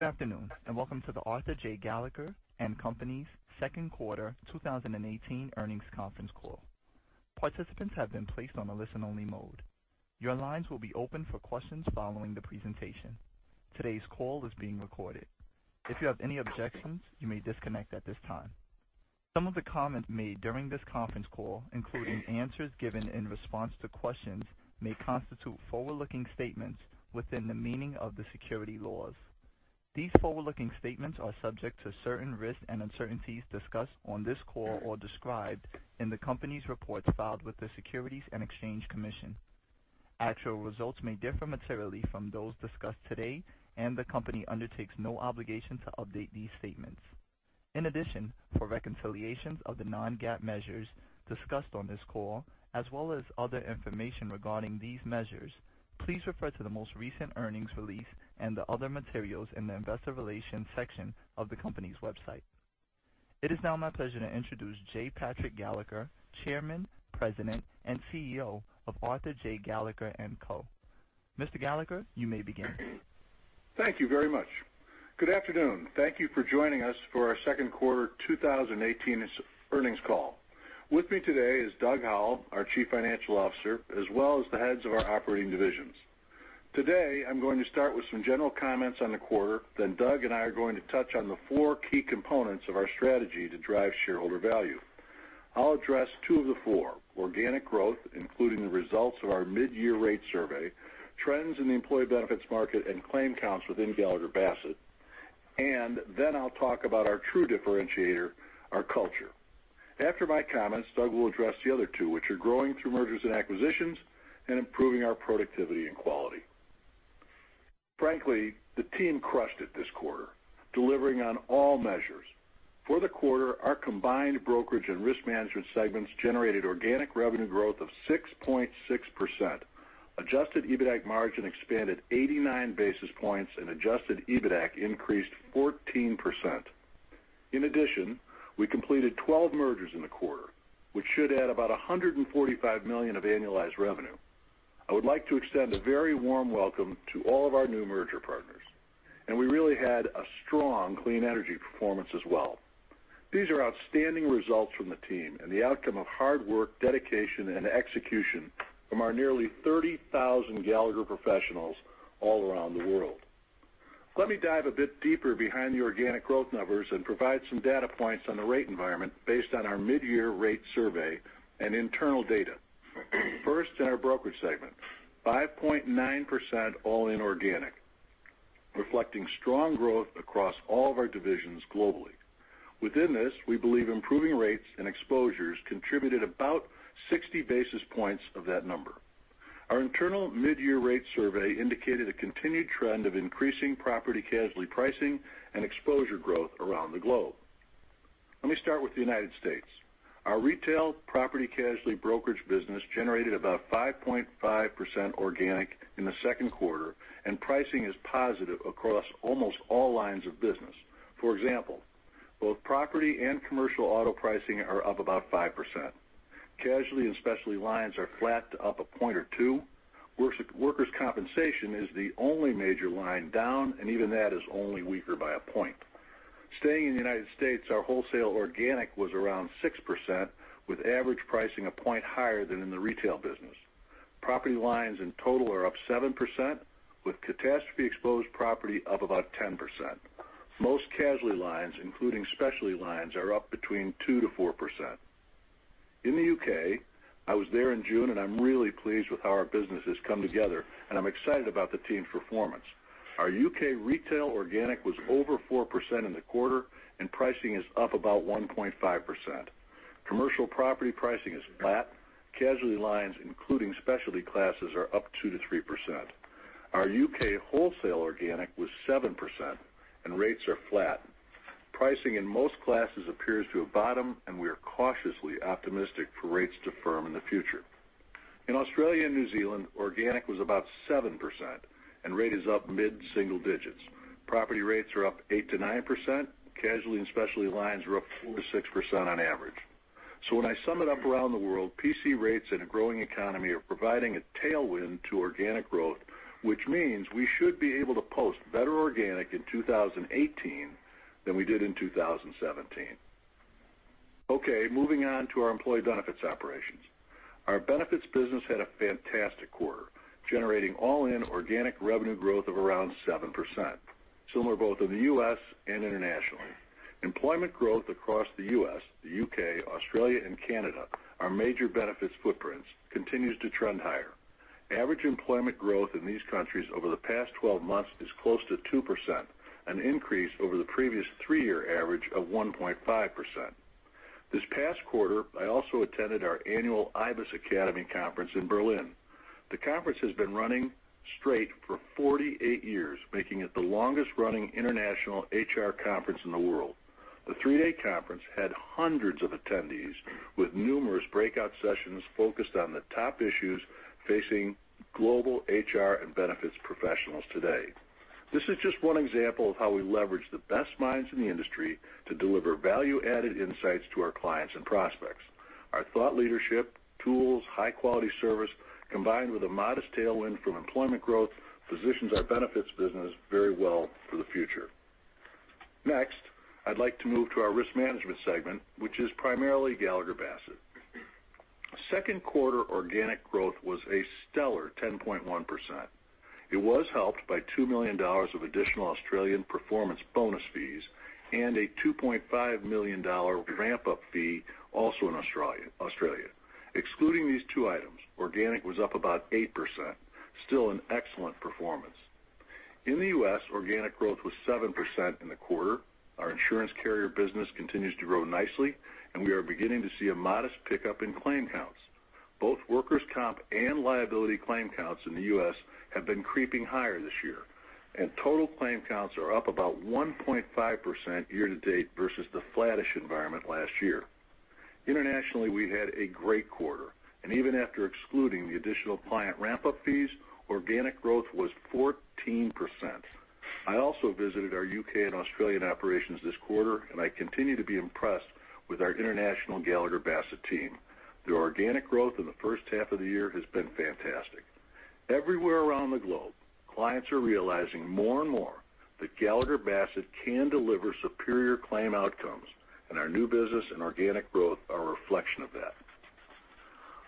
Good afternoon, and welcome to the Arthur J. Gallagher & Company second quarter 2018 earnings conference call. Participants have been placed on a listen-only mode. Your lines will be open for questions following the presentation. Today's call is being recorded. If you have any objections, you may disconnect at this time. Some of the comments made during this conference call, including answers given in response to questions, may constitute forward-looking statements within the meaning of the securities laws. These forward-looking statements are subject to certain risks and uncertainties discussed on this call or described in the company's reports filed with the Securities and Exchange Commission. Actual results may differ materially from those discussed today. The company undertakes no obligation to update these statements. In addition, for reconciliations of the non-GAAP measures discussed on this call, as well as other information regarding these measures, please refer to the most recent earnings release and the other materials in the investor relations section of the company's website. It is now my pleasure to introduce J. Patrick Gallagher, chairman, president, and CEO of Arthur J. Gallagher & Co. Mr. Gallagher, you may begin. Thank you very much. Good afternoon. Thank you for joining us for our second quarter 2018 earnings call. With me today is Doug Howell, our Chief Financial Officer, as well as the heads of our operating divisions. Today, I'm going to start with some general comments on the quarter. Doug and I are going to touch on the four key components of our strategy to drive shareholder value. I'll address two of the four, organic growth, including the results of our mid-year rate survey, trends in the employee benefits market, and claim counts within Gallagher Bassett. I'll talk about our true differentiator, our culture. After my comments, Doug will address the other two, which are growing through mergers and acquisitions and improving our productivity and quality. Frankly, the team crushed it this quarter, delivering on all measures. For the quarter, our combined brokerage and risk management segments generated organic revenue growth of 6.6%. Adjusted EBITAC margin expanded 89 basis points and adjusted EBITAC increased 14%. In addition, we completed 12 mergers in the quarter, which should add about $145 million of annualized revenue. I would like to extend a very warm welcome to all of our new merger partners. We really had a strong clean energy performance as well. These are outstanding results from the team and the outcome of hard work, dedication, and execution from our nearly 30,000 Gallagher professionals all around the world. Let me dive a bit deeper behind the organic growth numbers and provide some data points on the rate environment based on our mid-year rate survey and internal data. First, in our brokerage segment, 5.9% all-in organic, reflecting strong growth across all of our divisions globally. Within this, we believe improving rates and exposures contributed about 60 basis points of that number. Our internal mid-year rate survey indicated a continued trend of increasing property-casualty pricing and exposure growth around the globe. Let me start with the U.S. Our retail property-casualty brokerage business generated about 5.5% organic in the second quarter, and pricing is positive across almost all lines of business. For example, both property and commercial auto pricing are up about 5%. Casualty and specialty lines are flat to up a point or two. Workers' compensation is the only major line down, and even that is only weaker by a point. Staying in the U.S., our wholesale organic was around 6%, with average pricing a point higher than in the retail business. Property lines in total are up 7%, with catastrophe-exposed property up about 10%. Most casualty lines, including specialty lines, are up between 2% to 4%. In the U.K., I was there in June, and I'm really pleased with how our business has come together, and I'm excited about the team's performance. Our U.K. retail organic was over 4% in the quarter, and pricing is up about 1.5%. Commercial property pricing is flat. Casualty lines, including specialty classes, are up 2% to 3%. Our U.K. wholesale organic was 7%, and rates are flat. Pricing in most classes appears to have bottomed, and we are cautiously optimistic for rates to firm in the future. In Australia and New Zealand, organic was about 7%, and rate is up mid-single digits. Property rates are up 8% to 9%. Casualty and specialty lines are up 4% to 6% on average. When I sum it up around the world, PC rates in a growing economy are providing a tailwind to organic growth, which means we should be able to post better organic in 2018 than we did in 2017. Okay, moving on to our employee benefits operations. Our benefits business had a fantastic quarter, generating all-in organic revenue growth of around 7%, similar both in the U.S. and internationally. Employment growth across the U.S., the U.K., Australia, and Canada, our major benefits footprints, continues to trend higher. Average employment growth in these countries over the past 12 months is close to 2%, an increase over the previous three-year average of 1.5%. This past quarter, I also attended our annual IBIS Academy conference in Berlin. The conference has been running straight for 48 years, making it the longest-running international HR conference in the world. The three-day conference had hundreds of attendees with numerous breakout sessions focused on the top issues facing global HR and benefits professionals today. This is just one example of how we leverage the best minds in the industry to deliver value-added insights to our clients and prospects. Our thought leadership, tools, high-quality service, combined with a modest tailwind from employment growth, positions our benefits business very well for the future. Next, I'd like to move to our risk management segment, which is primarily Gallagher Bassett. Second quarter organic growth was a stellar 10.1%. It was helped by $2 million of additional Australian performance bonus fees and a $2.5 million ramp-up fee also in Australia. Excluding these two items, organic was up about 8%, still an excellent performance. In the U.S., organic growth was 7% in the quarter. Our insurance carrier business continues to grow nicely, and we are beginning to see a modest pickup in claim counts. Both workers' comp and liability claim counts in the U.S. have been creeping higher this year. Total claim counts are up about 1.5% year-to-date versus the flattish environment last year. Internationally, we had a great quarter, and even after excluding the additional client ramp-up fees, organic growth was 14%. I also visited our U.K. and Australian operations this quarter, and I continue to be impressed with our international Gallagher Bassett team. The organic growth in the first half of the year has been fantastic. Everywhere around the globe, clients are realizing more and more that Gallagher Bassett can deliver superior claim outcomes, and our new business and organic growth are a reflection of that.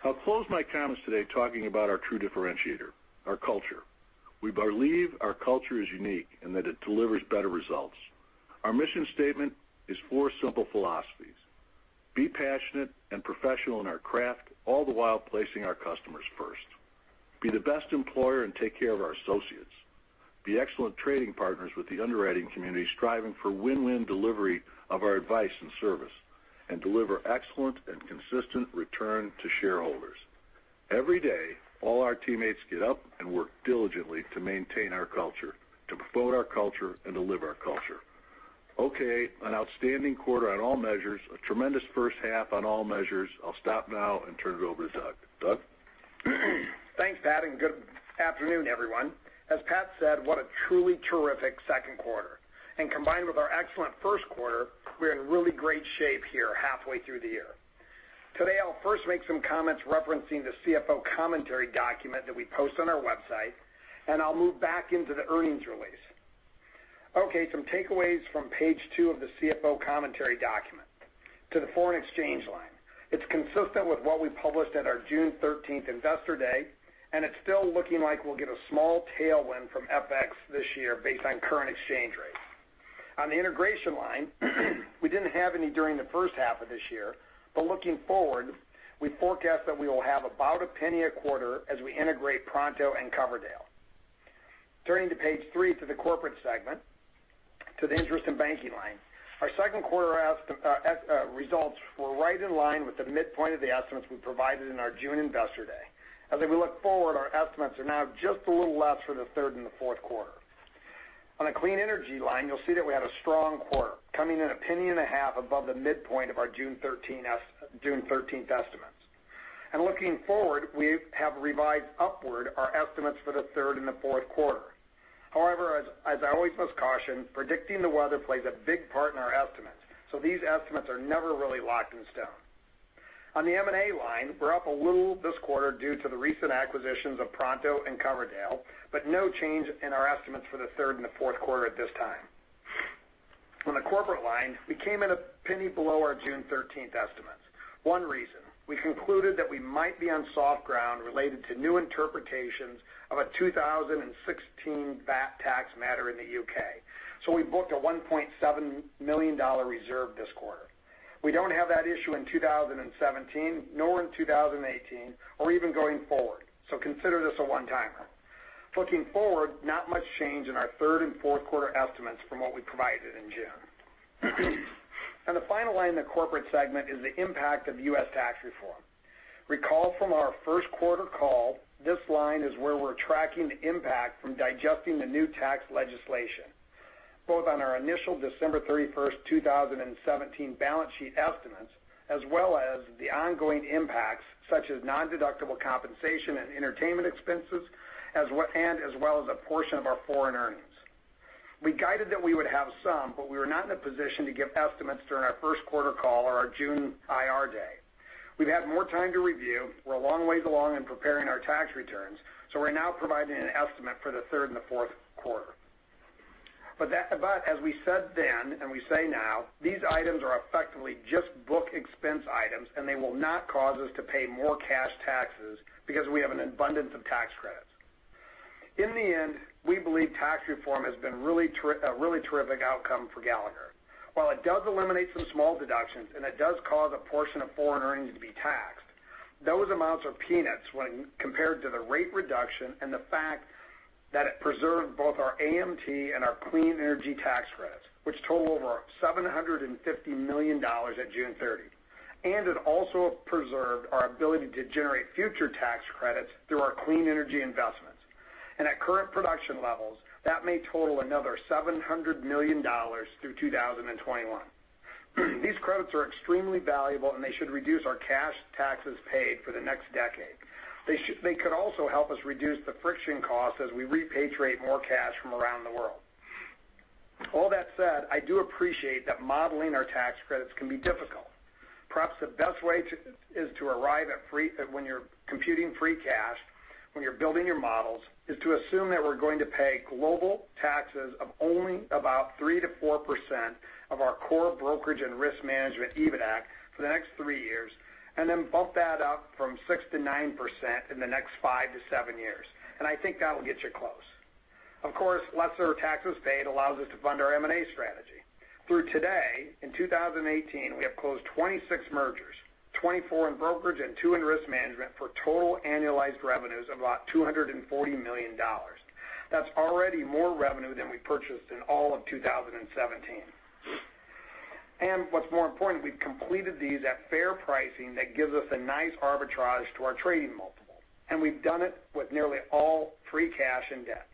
I'll close my comments today talking about our true differentiator, our culture. We believe our culture is unique and that it delivers better results. Our mission statement is four simple philosophies. Be passionate and professional in our craft, all the while placing our customers first. Be the best employer and take care of our associates. Be excellent trading partners with the underwriting community, striving for win-win delivery of our advice and service. Deliver excellent and consistent return to shareholders. Every day, all our teammates get up and work diligently to maintain our culture, to promote our culture, and deliver our culture. An outstanding quarter on all measures. A tremendous first half on all measures. I'll stop now and turn it over to Doug. Doug? Thanks, Pat, and good afternoon, everyone. As Pat said, what a truly terrific second quarter. Combined with our excellent first quarter, we're in really great shape here halfway through the year. Today, I'll first make some comments referencing the CFO commentary document that we post on our website, and I'll move back into the earnings release. Some takeaways from page two of the CFO commentary document. To the foreign exchange line. It's consistent with what we published at our June 13th Investor Day, and it's still looking like we'll get a small tailwind from FX this year based on current exchange rates. On the integration line, we didn't have any during the first half of this year, but looking forward, we forecast that we will have about a penny a quarter as we integrate Pronto and Coverdell. Turning to page three to the corporate segment, to the interest in banking line. Our second quarter results were right in line with the midpoint of the estimates we provided in our June Investor Day. As we look forward, our estimates are now just a little less for the third and the fourth quarter. On a clean energy line, you'll see that we had a strong quarter, coming in a penny and a half above the midpoint of our June 13th estimates. Looking forward, we have revised upward our estimates for the third and the fourth quarter. However, as I always must caution, predicting the weather plays a big part in our estimates, so these estimates are never really locked in stone. On the M&A line, we're up a little this quarter due to the recent acquisitions of Pronto and Coverdell, but no change in our estimates for the third and the fourth quarter at this time. On the corporate line, we came in a penny below our June 13th estimates. One reason, we concluded that we might be on soft ground related to new interpretations of a 2016 back tax matter in the U.K. We booked a $1.7 million reserve this quarter. We don't have that issue in 2017, nor in 2018 or even going forward. Consider this a one-timer. Looking forward, not much change in our third and fourth quarter estimates from what we provided in June. The final line in the corporate segment is the impact of U.S. tax reform. Recall from our first quarter call, this line is where we're tracking the impact from digesting the new tax legislation, both on our initial December 31st 2017 balance sheet estimates, as well as the ongoing impacts, such as non-deductible compensation and entertainment expenses, as well as a portion of our foreign earnings. We guided that we would have some, but we were not in a position to give estimates during our first quarter call or our June IR day. We've had more time to review. We're a long ways along in preparing our tax returns. We're now providing an estimate for the third and the fourth quarter. As we said then and we say now, these items are effectively just book expense items, and they will not cause us to pay more cash taxes because we have an abundance of tax credits. In the end, we believe tax reform has been a really terrific outcome for Gallagher. While it does eliminate some small deductions and it does cause a portion of foreign earnings to be taxed, those amounts are peanuts when compared to the rate reduction and the fact that it preserved both our AMT and our clean energy tax credits, which total over $750 million at June 30. It also preserved our ability to generate future tax credits through our clean energy investments. At current production levels, that may total another $700 million through 2021. These credits are extremely valuable, and they should reduce our cash taxes paid for the next decade. They could also help us reduce the friction cost as we repatriate more cash from around the world. All that said, I do appreciate that modeling our tax credits can be difficult. Perhaps the best way is to arrive at, when you're computing free cash, when you're building your models, is to assume that we're going to pay global taxes of only about 3%-4% of our core brokerage and risk management EBITAC for the next three years, then bump that up from 6%-9% in the next five to seven years. I think that'll get you close. Of course, lesser taxes paid allows us to fund our M&A strategy. Through today, in 2018, we have closed 26 mergers, 24 in brokerage and two in risk management, for total annualized revenues of about $240 million. That's already more revenue than we purchased in all of 2017. What's more important, we've completed these at fair pricing that gives us a nice arbitrage to our trading multiple, and we've done it with nearly all free cash and debt.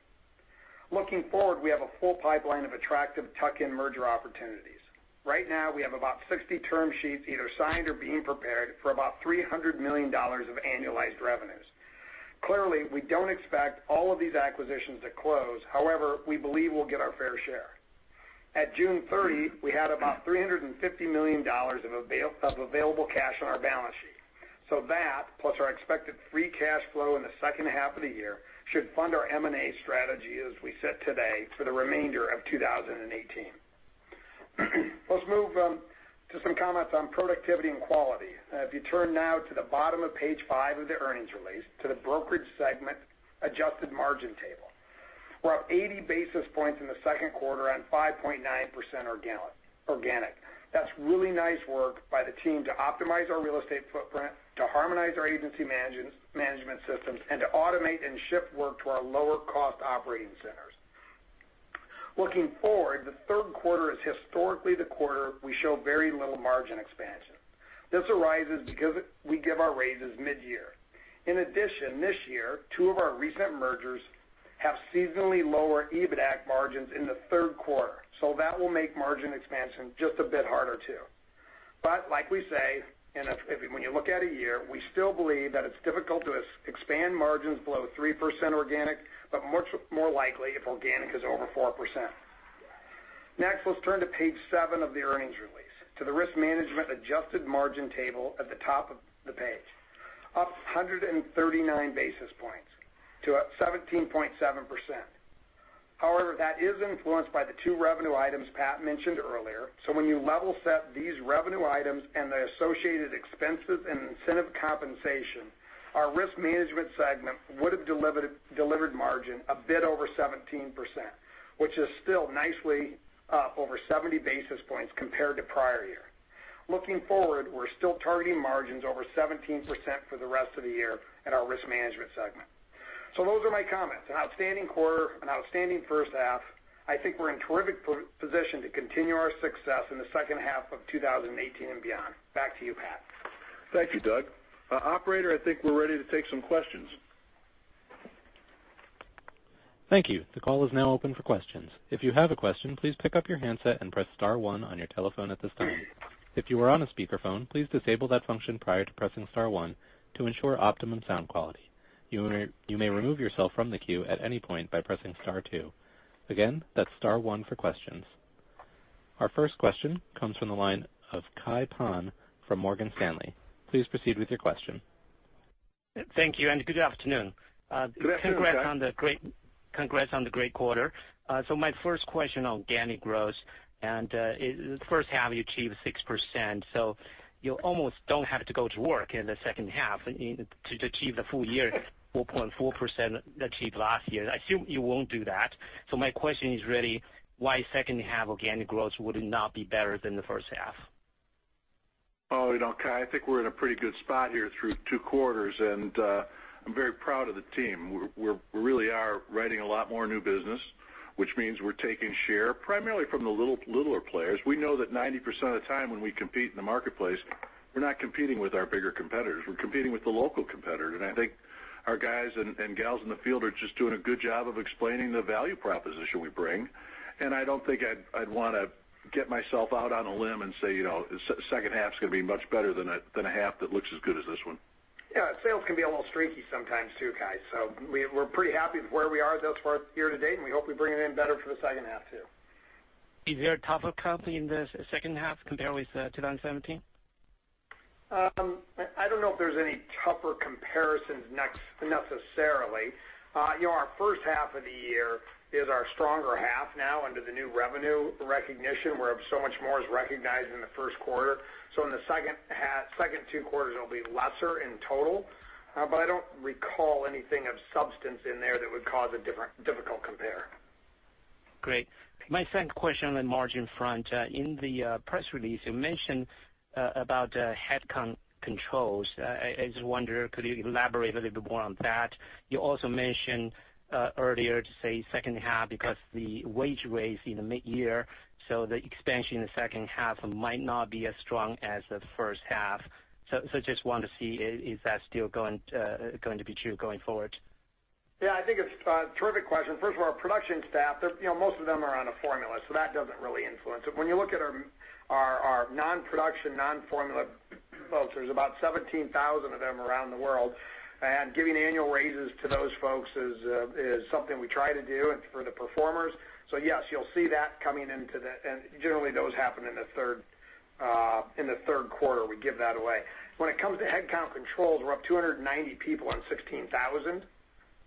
Looking forward, we have a full pipeline of attractive tuck-in merger opportunities. Right now, we have about 60 term sheets either signed or being prepared for about $300 million of annualized revenues. Clearly, we don't expect all of these acquisitions to close. However, we believe we'll get our fair share. At June 30, we had about $350 million of available cash on our balance sheet. That, plus our expected free cash flow in the second half of the year, should fund our M&A strategy, as we sit today, for the remainder of 2018. Let's move to some comments on productivity and quality. If you turn now to the bottom of page five of the earnings release to the Brokerage Segment adjusted margin table. We're up 80 basis points in the second quarter on 5.9% organic. That's really nice work by the team to optimize our real estate footprint, to harmonize our agency management systems, and to automate and shift work to our lower-cost operating centers. Looking forward, the third quarter is historically the quarter we show very little margin expansion. This arises because we give our raises mid-year. In addition, this year, two of our recent mergers have seasonally lower EBITAC margins in the third quarter, that will make margin expansion just a bit harder too. Like we say, when you look at a year, we still believe that it's difficult to expand margins below 3% organic, but much more likely if organic is over 4%. Next, let's turn to page seven of the earnings release, to the Risk Management adjusted margin table at the top of the page. Up 139 basis points to 17.7%. However, that is influenced by the two revenue items Pat mentioned earlier. When you level set these revenue items and the associated expenses and incentive compensation, our Risk Management Segment would have delivered margin a bit over 17%, which is still nicely up over 70 basis points compared to prior year. Looking forward, we're still targeting margins over 17% for the rest of the year at our Risk Management Segment. Those are my comments. An outstanding quarter, an outstanding first half. I think we're in terrific position to continue our success in the second half of 2018 and beyond. Back to you, Pat. Thank you, Doug. Operator, I think we're ready to take some questions. Thank you. The call is now open for questions. If you have a question, please pick up your handset and press *1 on your telephone at this time. If you are on a speakerphone, please disable that function prior to pressing *1 to ensure optimum sound quality. You may remove yourself from the queue at any point by pressing *2. Again, that's *1 for questions. Our first question comes from the line of Kai Pan from Morgan Stanley. Please proceed with your question. Thank you. Good afternoon. Good afternoon, Kai. Congrats on the great quarter. My first question, organic growth, and first half you achieved 6%, so you almost don't have to go to work in the second half to achieve the full year 4.4% achieved last year. I assume you won't do that. My question is really why second half organic growth would not be better than the first half? Oh, Kai, I think we're in a pretty good spot here through two quarters, and I'm very proud of the team. We really are writing a lot more new business, which means we're taking share primarily from the littler players. We know that 90% of the time when we compete in the marketplace, we're not competing with our bigger competitors. We're competing with the local competitor. I think our guys and gals in the field are just doing a good job of explaining the value proposition we bring, and I don't think I'd want to get myself out on a limb and say the second half's going to be much better than a half that looks as good as this one. Yeah, sales can be a little streaky sometimes too, Kai. We're pretty happy with where we are thus far year-to-date, and we hope we bring it in better for the second half, too. Is there a tougher comp in the second half compared with 2017? I don't know if there's any tougher comparisons necessarily. Our first half of the year is our stronger half now under the new revenue recognition, where so much more is recognized in the first quarter. In the second two quarters, it'll be lesser in total. I don't recall anything of substance in there that would cause a difficult compare. My second question on the margin front. In the press release, you mentioned about headcount controls. I just wonder, could you elaborate a little bit more on that? You also mentioned earlier to say second half because the wage raise in the mid-year, so the expansion in the second half might not be as strong as the first half. Just want to see, is that still going to be true going forward? Yeah, I think it's a terrific question. First of all, our production staff, most of them are on a formula, so that doesn't really influence it. When you look at our non-production, non-formula folks, there's about 17,000 of them around the world, and giving annual raises to those folks is something we try to do for the performers. Yes, you'll see that coming into that, and generally those happen in the third quarter, we give that away. When it comes to headcount controls, we're up 290 people on 16,000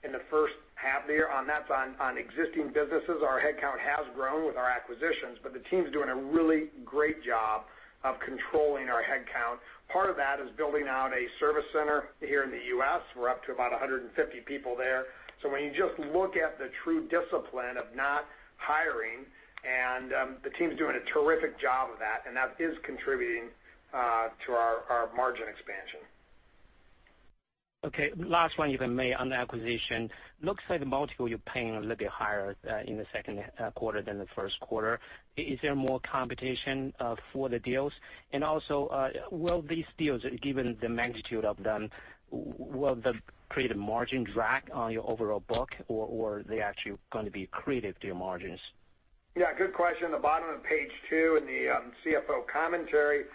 in the first half of the year, and that's on existing businesses. Our headcount has grown with our acquisitions, but the team's doing a really great job of controlling our headcount. Part of that is building out a service center here in the U.S. We're up to about 150 people there. When you just look at the true discipline of not hiring, and the team's doing a terrific job of that, and that is contributing to our margin expansion. Okay. Last one, if I may, on the acquisition. Looks like the multiple you're paying a little bit higher in the second quarter than the first quarter. Is there more competition for the deals? Will these deals, given the magnitude of them, will they create a margin drag on your overall book, or are they actually going to be accretive to your margins? Yeah, good question. The bottom of page two in the CFO commentary,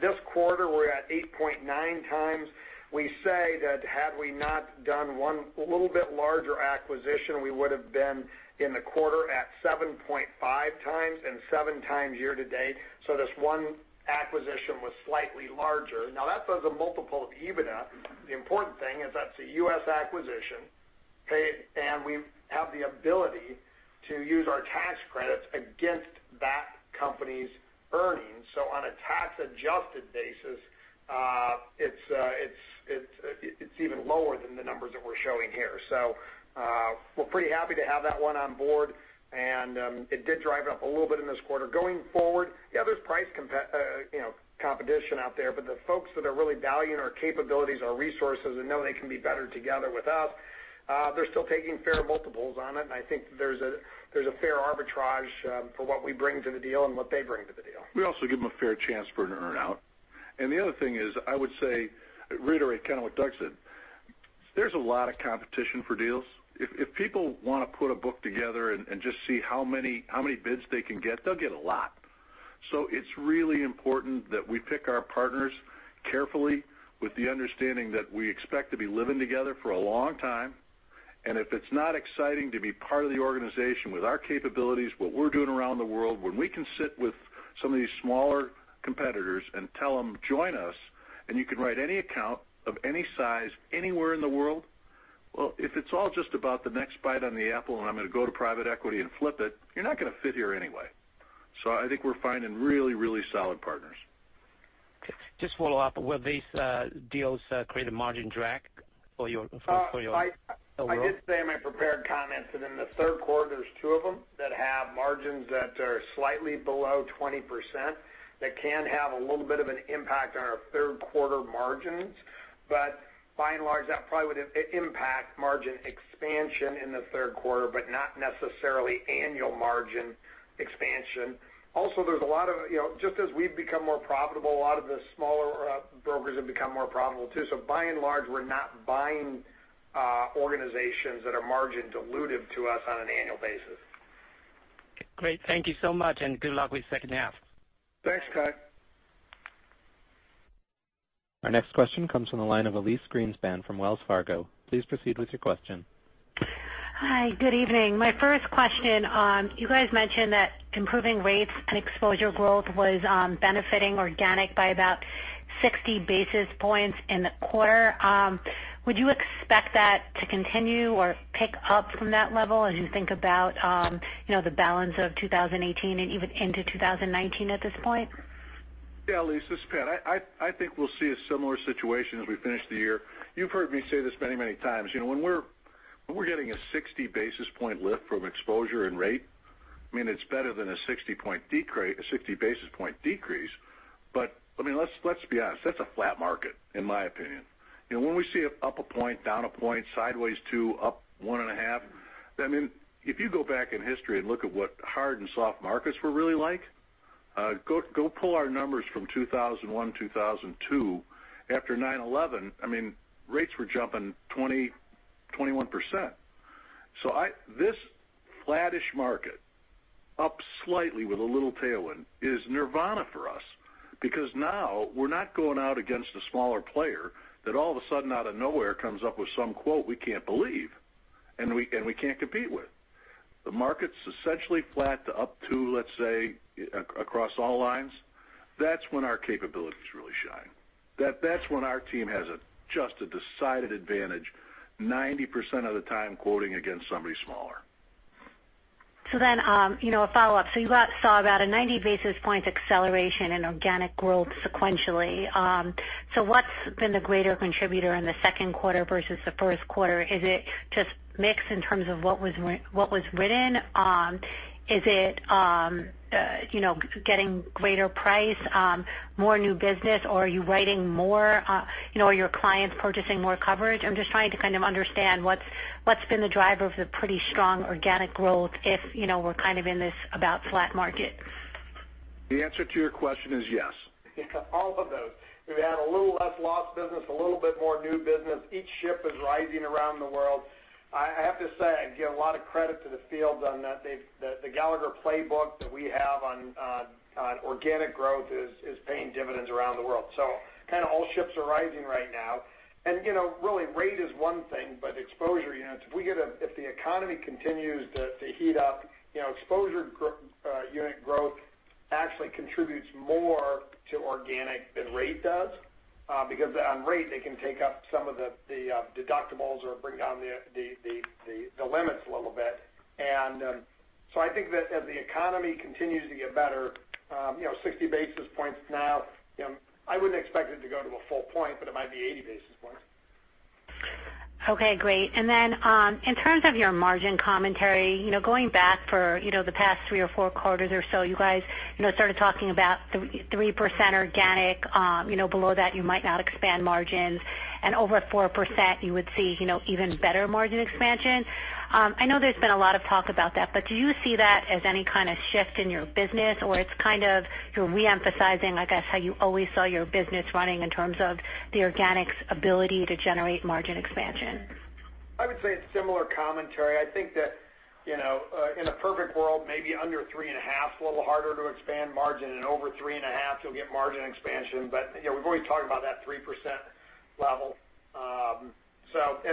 this quarter we're at 8.9 times. We say that had we not done one little bit larger acquisition, we would've been in the quarter at 7.5 times and seven times year-to-date. This one acquisition was slightly larger. That does a multiple of EBITDA. The important thing is that's a U.S. acquisition. Okay? We have the ability to use our tax credits against that company's earnings. On a tax-adjusted basis, it's even lower than the numbers that we're showing here. We're pretty happy to have that one on board, and it did drive it up a little bit in this quarter. Going forward, yeah, there's price competition out there, the folks that are really valuing our capabilities, our resources, and know they can be better together with us, they're still taking fair multiples on it, and I think there's a fair arbitrage for what we bring to the deal and what they bring to the deal. We also give them a fair chance for an earn-out. The other thing is, I would say, reiterate kind of what Doug said, there's a lot of competition for deals. If people want to put a book together and just see how many bids they can get, they'll get a lot. It's really important that we pick our partners carefully with the understanding that we expect to be living together for a long time, if it's not exciting to be part of the organization with our capabilities, what we're doing around the world, when we can sit with some of these smaller competitors and tell them, "Join us, and you can write any account of any size anywhere in the world." If it's all just about the next bite on the apple and I'm going to go to private equity and flip it, you're not going to fit here anyway. I think we're finding really, really solid partners. Okay. Just follow up. Will these deals create a margin drag for your overall? I did say in my prepared comments that in the third quarter, there's two of them that have margins that are slightly below 20%, that can have a little bit of an impact on our third quarter margins. By and large, that probably would impact margin expansion in the third quarter, but not necessarily annual margin expansion. Just as we've become more profitable, a lot of the smaller brokers have become more profitable too. By and large, we're not buying organizations that are margin dilutive to us on an annual basis. Great. Thank you so much. Good luck with second half. Thanks, Kai. Our next question comes from the line of Elyse Greenspan from Wells Fargo. Please proceed with your question. Hi. Good evening. My first question, you guys mentioned that improving rates and exposure growth was benefiting organic by about 60 basis points in the quarter. Would you expect that to continue or pick up from that level as you think about the balance of 2018 and even into 2019 at this point? Yeah, Elyse, this is Pat. I think we'll see a similar situation as we finish the year. You've heard me say this many, many times. When we're getting a 60 basis point lift from exposure and rate, it's better than a 60 basis point decrease. Let's be honest, that's a flat market, in my opinion. When we see it up a point, down a point, sideways two, up one and a half, if you go back in history and look at what hard and soft markets were really like, go pull our numbers from 2001, 2002 after 9/11. Rates were jumping 20%, 21%. This flattish market, up slightly with a little tailwind, is nirvana for us because now we're not going out against a smaller player that all of a sudden out of nowhere comes up with some quote we can't believe and we can't compete with. The market's essentially flat to up to, let's say, across all lines. That's when our capabilities really shine. That's when our team has just a decided advantage 90% of the time quoting against somebody smaller. A follow-up. You saw about a 90 basis point acceleration in organic growth sequentially. What's been the greater contributor in the second quarter versus the first quarter? Is it just mix in terms of what was written? Is it getting greater price, more new business, or are you writing more? Are your clients purchasing more coverage? I'm just trying to kind of understand what's been the driver of the pretty strong organic growth if we're kind of in this about flat market. The answer to your question is yes. All of those. We've had a little less lost business, a little bit more new business. Each ship is rising around the world. I have to say, I give a lot of credit to the field on that. The Gallagher playbook that we have on organic growth is paying dividends around the world. All ships are rising right now. Really, rate is one thing, but exposure units, if the economy continues to heat up, exposure unit growth actually contributes more to organic than rate does, because on rate, they can take up some of the deductibles or bring down the limits a little bit. I think that as the economy continues to get better, 60 basis points now, I wouldn't expect it to go to a full point, but it might be 80 basis points. Okay, great. In terms of your margin commentary, going back for the past three or four quarters or so, you guys started talking about 3% organic. Below that, you might not expand margins, and over 4%, you would see even better margin expansion. I know there's been a lot of talk about that, but do you see that as any kind of shift in your business, or it's kind of you're re-emphasizing, I guess, how you always saw your business running in terms of the organic's ability to generate margin expansion? I would say it's similar commentary. I think that in a perfect world, maybe under 3.5 is a little harder to expand margin, and over 3.5, you'll get margin expansion. We've always talked about that 3% level.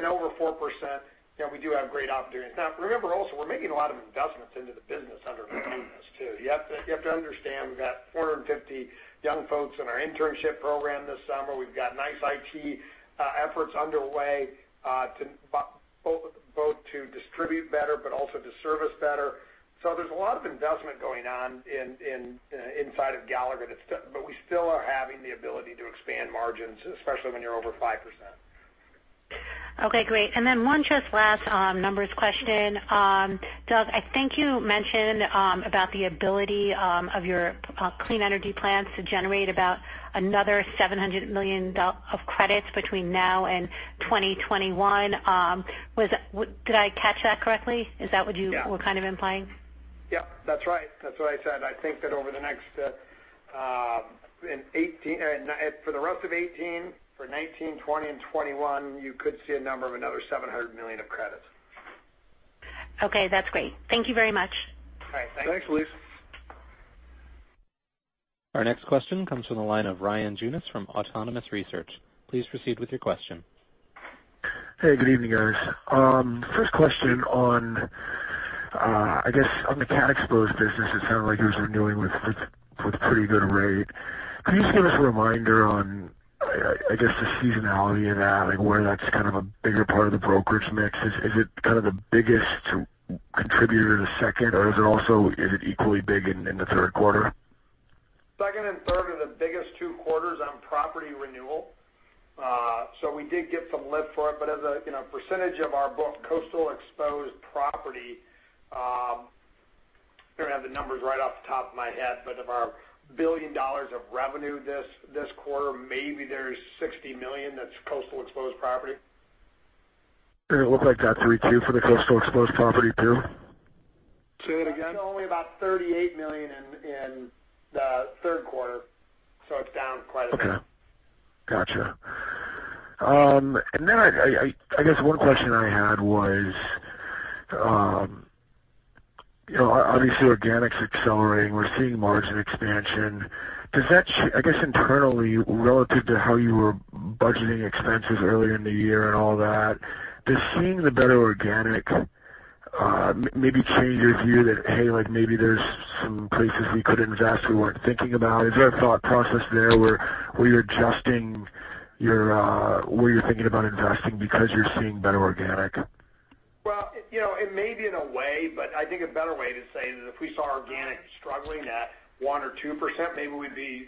Over 4%, we do have great opportunities. Remember also, we're making a lot of investments into the business under this too. You have to understand, we've got 450 young folks in our internship program this summer. We've got nice IT efforts underway, both to distribute better, but also to service better. There's a lot of investment going on inside of Gallagher, but we still are having the ability to expand margins, especially when you're over 5%. Okay, great. Then one just last numbers question. Doug, I think you mentioned about the ability of your clean energy plans to generate about another $700 million of credits between now and 2021. Did I catch that correctly? Is that what you Yeah were kind of implying? Yep, that's right. That's what I said. I think that for the rest of 2018, for 2019, 2020, and 2021, you could see a number of another $700 million of credits. Okay, that's great. Thank you very much. All right, thanks. Thanks, Elyse. Our next question comes from the line of Ryan Tunis from Autonomous Research. Please proceed with your question. Hey, good evening, guys. First question on the cat exposed business. It sounded like it was renewing with pretty good rate. Could you just give us a reminder on the seasonality of that and where that's a bigger part of the brokerage mix? Is it the biggest contributor to second, or is it equally big in the third quarter? Second and third are the biggest two quarters on property renewal. We did get some lift for it, as a percentage of our book, coastal exposed property, I don't have the numbers right off the top of my head, of our $1 billion of revenue this quarter, maybe there's $60 million that's coastal exposed property. It looked like that repeated for the coastal exposed property, too? Say it again. That's only about $38 million in the third quarter, it's down quite a bit. Okay. Gotcha. I guess one question I had was, obviously organic's accelerating. We're seeing margin expansion. I guess internally, relative to how you were budgeting expenses earlier in the year and all that, does seeing the better organic maybe change your view that, hey, maybe there's some places we could invest we weren't thinking about? Is there a thought process there where you're adjusting where you're thinking about investing because you're seeing better organic? Well, maybe in a way, I think a better way to say it is if we saw organic struggling at 1% or 2%, maybe we'd be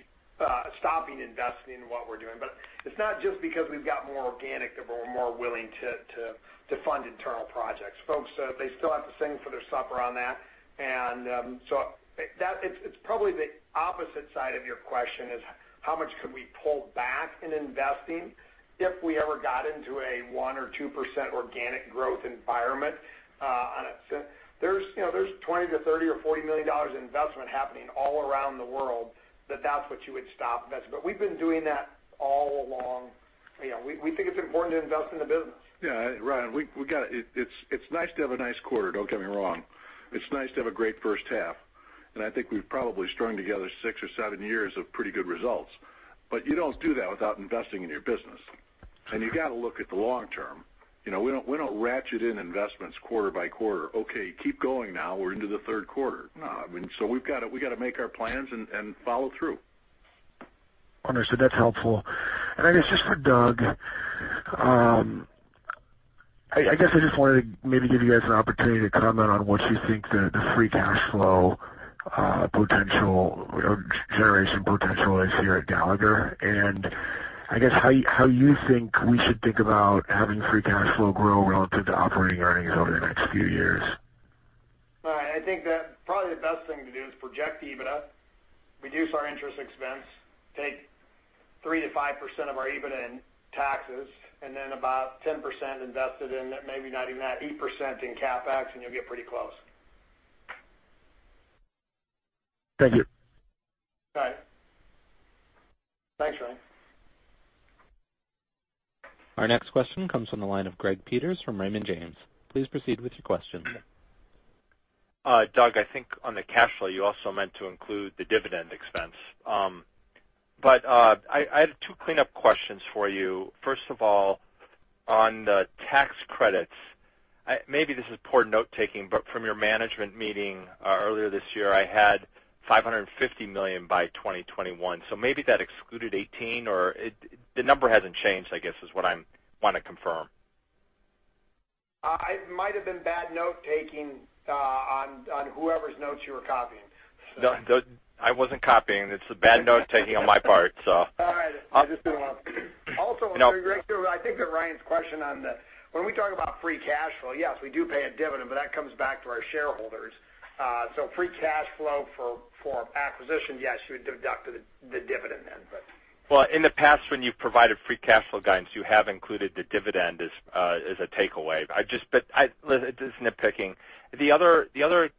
stopping investing in what we're doing. It's not just because we've got more organic that we're more willing to fund internal projects. Folks, they still have to sing for their supper on that. It's probably the opposite side of your question is how much could we pull back in investing if we ever got into a 1% or 2% organic growth environment on it. There's $20 million to $30 million or $40 million in investment happening all around the world that that's what you would stop investing. We've been doing that all along. We think it's important to invest in the business. Yeah. Ryan, it's nice to have a nice quarter, don't get me wrong. It's nice to have a great first half, and I think we've probably strung together six or seven years of pretty good results. You don't do that without investing in your business. Sure. You've got to look at the long term. We don't ratchet in investments quarter by quarter. Okay, keep going now, we're into the third quarter. No, we've got to make our plans and follow through. Understood. That's helpful. I guess just for Doug, I guess I just wanted to maybe give you guys an opportunity to comment on what you think the free cash flow potential or generation potential is here at Gallagher, I guess how you think we should think about having free cash flow grow relative to operating earnings over the next few years. I think that probably the best thing to do is project the EBITDA, reduce our interest expense, take 3%-5% of our EBITDA in taxes, about 10% invested in, maybe not even that, 8% in CapEx, you'll get pretty close. Thank you. All right. Thanks, Ryan. Our next question comes from the line of Gregory Peters from Raymond James. Please proceed with your question. Doug, I think on the cash flow, you also meant to include the dividend expense. I have two cleanup questions for you. First of all, on the tax credits, maybe this is poor note-taking, from your management meeting earlier this year, I had $550 million by 2021, maybe that excluded 2018, or the number hasn't changed, I guess, is what I want to confirm. It might've been bad note-taking on whoever's notes you were copying. I wasn't copying. It's bad note-taking on my part. All right. Also, Greg, I think to Ryan's question on when we talk about free cash flow, yes, we do pay a dividend, but that comes back to our shareholders. Free cash flow for acquisition, yes, you would deduct the dividend then. Well, in the past, when you've provided free cash flow guidance, you have included the dividend as a takeaway. It is nitpicking. The other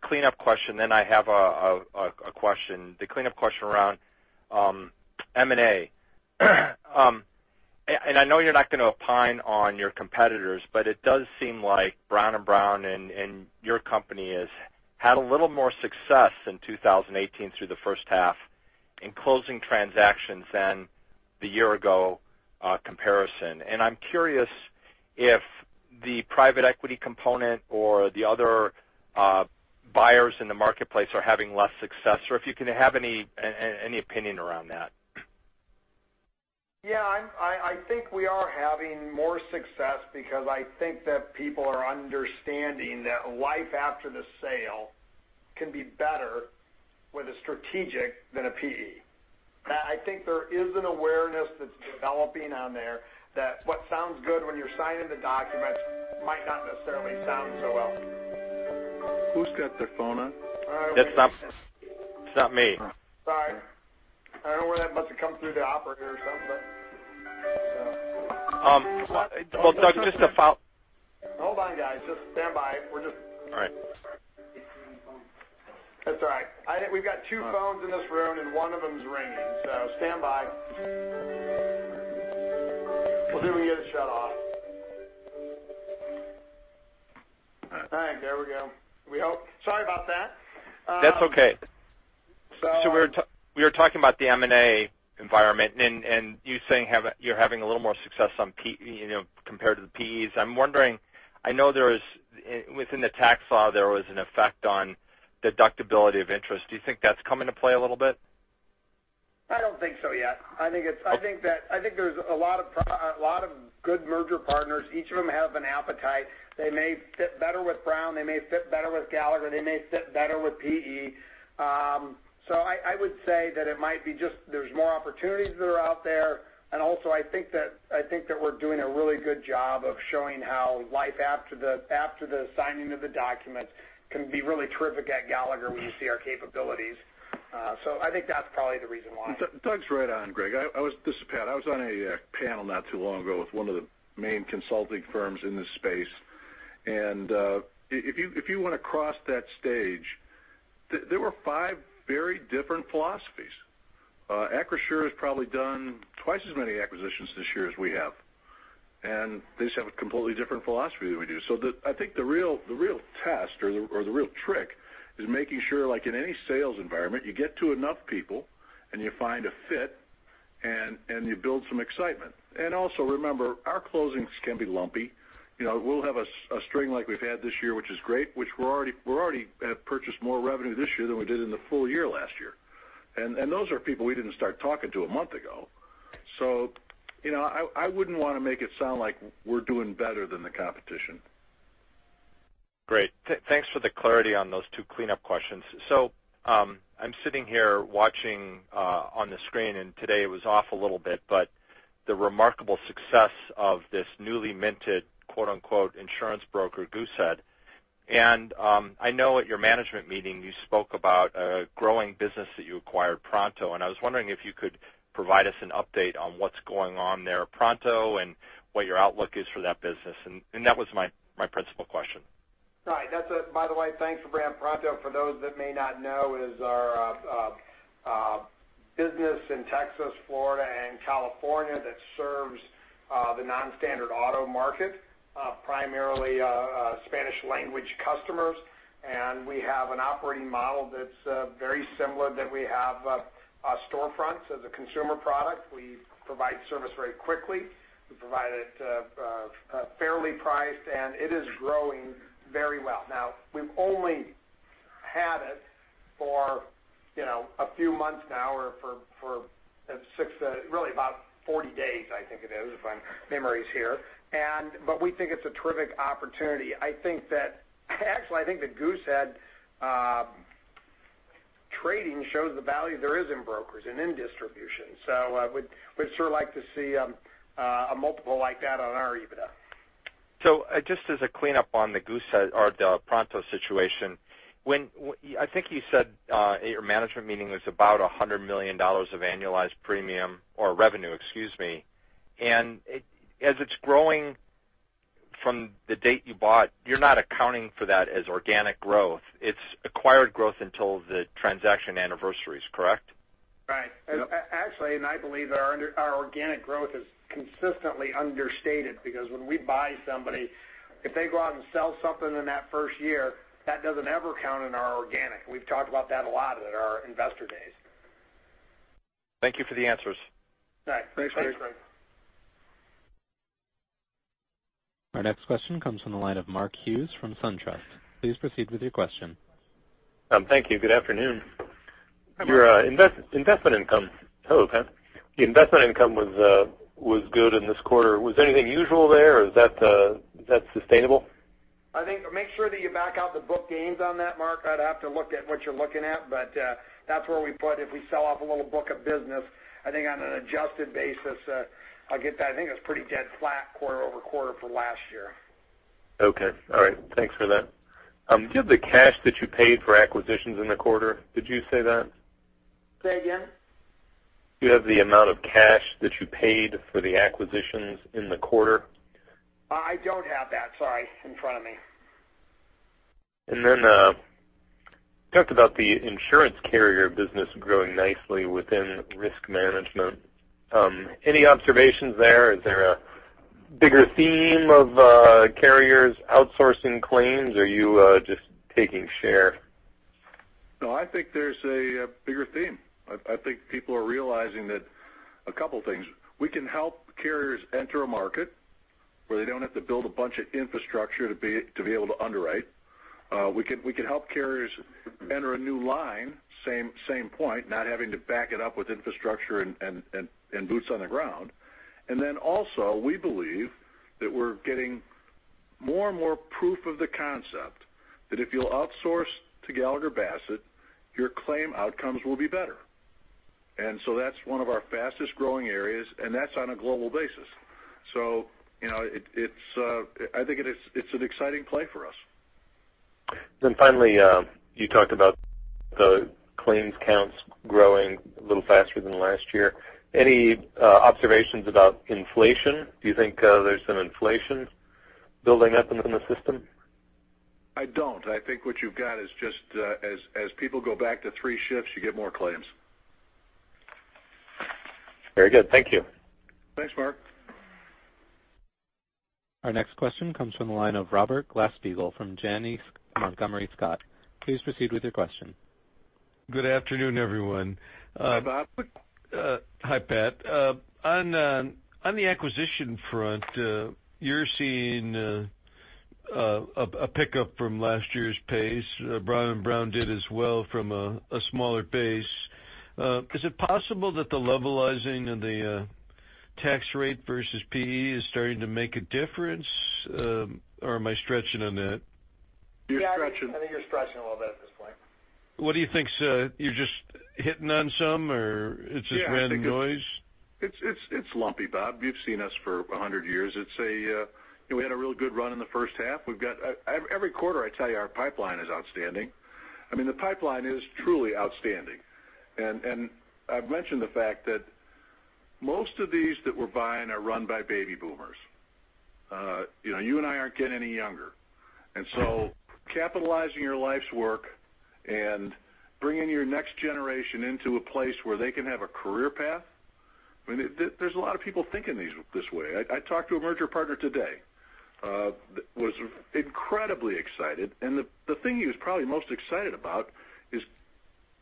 cleanup question, then I have a question. The cleanup question around M&A. I know you're not going to opine on your competitors, but it does seem like Brown & Brown and your company has had a little more success in 2018 through the first half in closing transactions than the year-ago comparison. I'm curious if the private equity component or the other buyers in the marketplace are having less success, or if you can have any opinion around that. Yeah, I think we are having more success because I think that people are understanding that life after the sale can be better with a strategic than a PE. I think there is an awareness that's developing on there that what sounds good when you're signing the documents might not necessarily sound so well. Who's got their phone on? It's not me. Sorry. I don't know where that must have come through the operator or something. Well, Doug, just a follow- Hold on, guys. Just stand by. We're just- All right. That's all right. We've got two phones in this room, and one of them's ringing. Stand by. We'll either get it shut off. All right, there we go. We hope. Sorry about that. That's okay. We were talking about the M&A environment, and you're saying you're having a little more success compared to the PEs. I'm wondering, I know within the tax law, there was an effect on deductibility of interest. Do you think that's come into play a little bit? I don't think so yet. I think there's a lot of good merger partners. Each of them have an appetite. They may fit better with Brown, they may fit better with Gallagher, they may fit better with PE. I would say that it might be just there's more opportunities that are out there. Also, I think that we're doing a really good job of showing how life after the signing of the documents can be really terrific at Gallagher when you see our capabilities. I think that's probably the reason why. Doug's right on, Greg. This is Pat. I was on a panel not too long ago with one of the main consulting firms in this space. If you want to cross that stage, there were five very different philosophies. Acrisure has probably done twice as many acquisitions this year as we have, they just have a completely different philosophy than we do. I think the real test or the real trick is making sure, like in any sales environment, you get to enough people, you find a fit, you build some excitement. Also, remember, our closings can be lumpy. We'll have a string like we've had this year, which is great, which we already have purchased more revenue this year than we did in the full year last year. Those are people we didn't start talking to a month ago. I wouldn't want to make it sound like we're doing better than the competition. Great. Thanks for the clarity on those two cleanup questions. I'm sitting here watching on the screen, today it was off a little bit, but the remarkable success of this newly minted, quote-unquote, "insurance broker Goosehead." I know at your management meeting, you spoke about a growing business that you acquired, Pronto. I was wondering if you could provide us an update on what's going on there at Pronto and what your outlook is for that business. That was my principal question. Right. By the way, thanks, Gregory. Pronto, for those that may not know, is our business in Texas, Florida, and California that serves the non-standard auto market, primarily Spanish language customers. We have an operating model that's very similar that we have storefronts as a consumer product. We provide service very quickly. We provide it fairly priced, it is growing very well. Now, we've only had it for a few months now, or for six— really about 40 days, I think it is, if my memory's here. We think it's a terrific opportunity. Actually, I think the Goosehead trading shows the value there is in brokers and in distribution. We'd sure like to see a multiple like that on our EBITDA. Just as a cleanup on the Pronto situation, I think you said your management meeting was about $100 million of annualized revenue. As it's growing from the date you bought, you're not accounting for that as organic growth. It's acquired growth until the transaction anniversary is correct? Right. Actually, I believe that our organic growth is consistently understated because when we buy somebody, if they go out and sell something in that first year, that doesn't ever count in our organic. We've talked about that a lot at our investor days. Thank you for the answers. All right. Thanks, Greg. Our next question comes from the line of Mark Hughes from SunTrust. Please proceed with your question. Thank you. Good afternoon. Good afternoon. Your investment income was good in this quarter. Was anything usual there or is that sustainable? I think, make sure that you back out the book gains on that, Mark. I'd have to look at what you're looking at, but that's where we put if we sell off a little book of business. I think on an adjusted basis, I'll get that. I think it was pretty dead flat quarter-over-quarter for last year. Okay. All right. Thanks for that. Do you have the cash that you paid for acquisitions in the quarter? Did you say that? Say again. Do you have the amount of cash that you paid for the acquisitions in the quarter? I don't have that, sorry, in front of me. You talked about the insurance carrier business growing nicely within risk management. Any observations there? Is there a bigger theme of carriers outsourcing claims, or are you just taking share? I think there's a bigger theme. I think people are realizing that a couple things. We can help carriers enter a market where they don't have to build a bunch of infrastructure to be able to underwrite. We can help carriers enter a new line, same point, not having to back it up with infrastructure and boots on the ground. Also, we believe that we're getting more and more proof of the concept that if you'll outsource to Gallagher Bassett, your claim outcomes will be better. That's one of our fastest-growing areas, and that's on a global basis. I think it's an exciting play for us. Finally, you talked about the claims counts growing a little faster than last year. Any observations about inflation? Do you think there's some inflation building up in the system? I don't. I think what you've got is just as people go back to three shifts, you get more claims. Very good. Thank you. Thanks, Mark. Our next question comes from the line of Robert Glasspiegel from Janney Montgomery Scott. Please proceed with your question. Good afternoon, everyone. Hi, Bob. Hi, Pat. On the acquisition front, you're seeing a pickup from last year's pace. Brown & Brown did as well from a smaller base. Is it possible that the levelizing of the tax rate versus PE is starting to make a difference? Am I stretching on that? You're stretching. Yeah, I think you're stretching a little bit at this point. What do you think, you're just hitting on some, or it's just random noise? It's lumpy, Bob. You've seen us for 100 years. We had a real good run in the first half. Every quarter, I tell you, our pipeline is outstanding. The pipeline is truly outstanding. I've mentioned the fact that most of these that we're buying are run by baby boomers. You and I aren't getting any younger. Capitalizing your life's work and bringing your next generation into a place where they can have a career path, there's a lot of people thinking this way. I talked to a merger partner today, was incredibly excited, and the thing he was probably most excited about is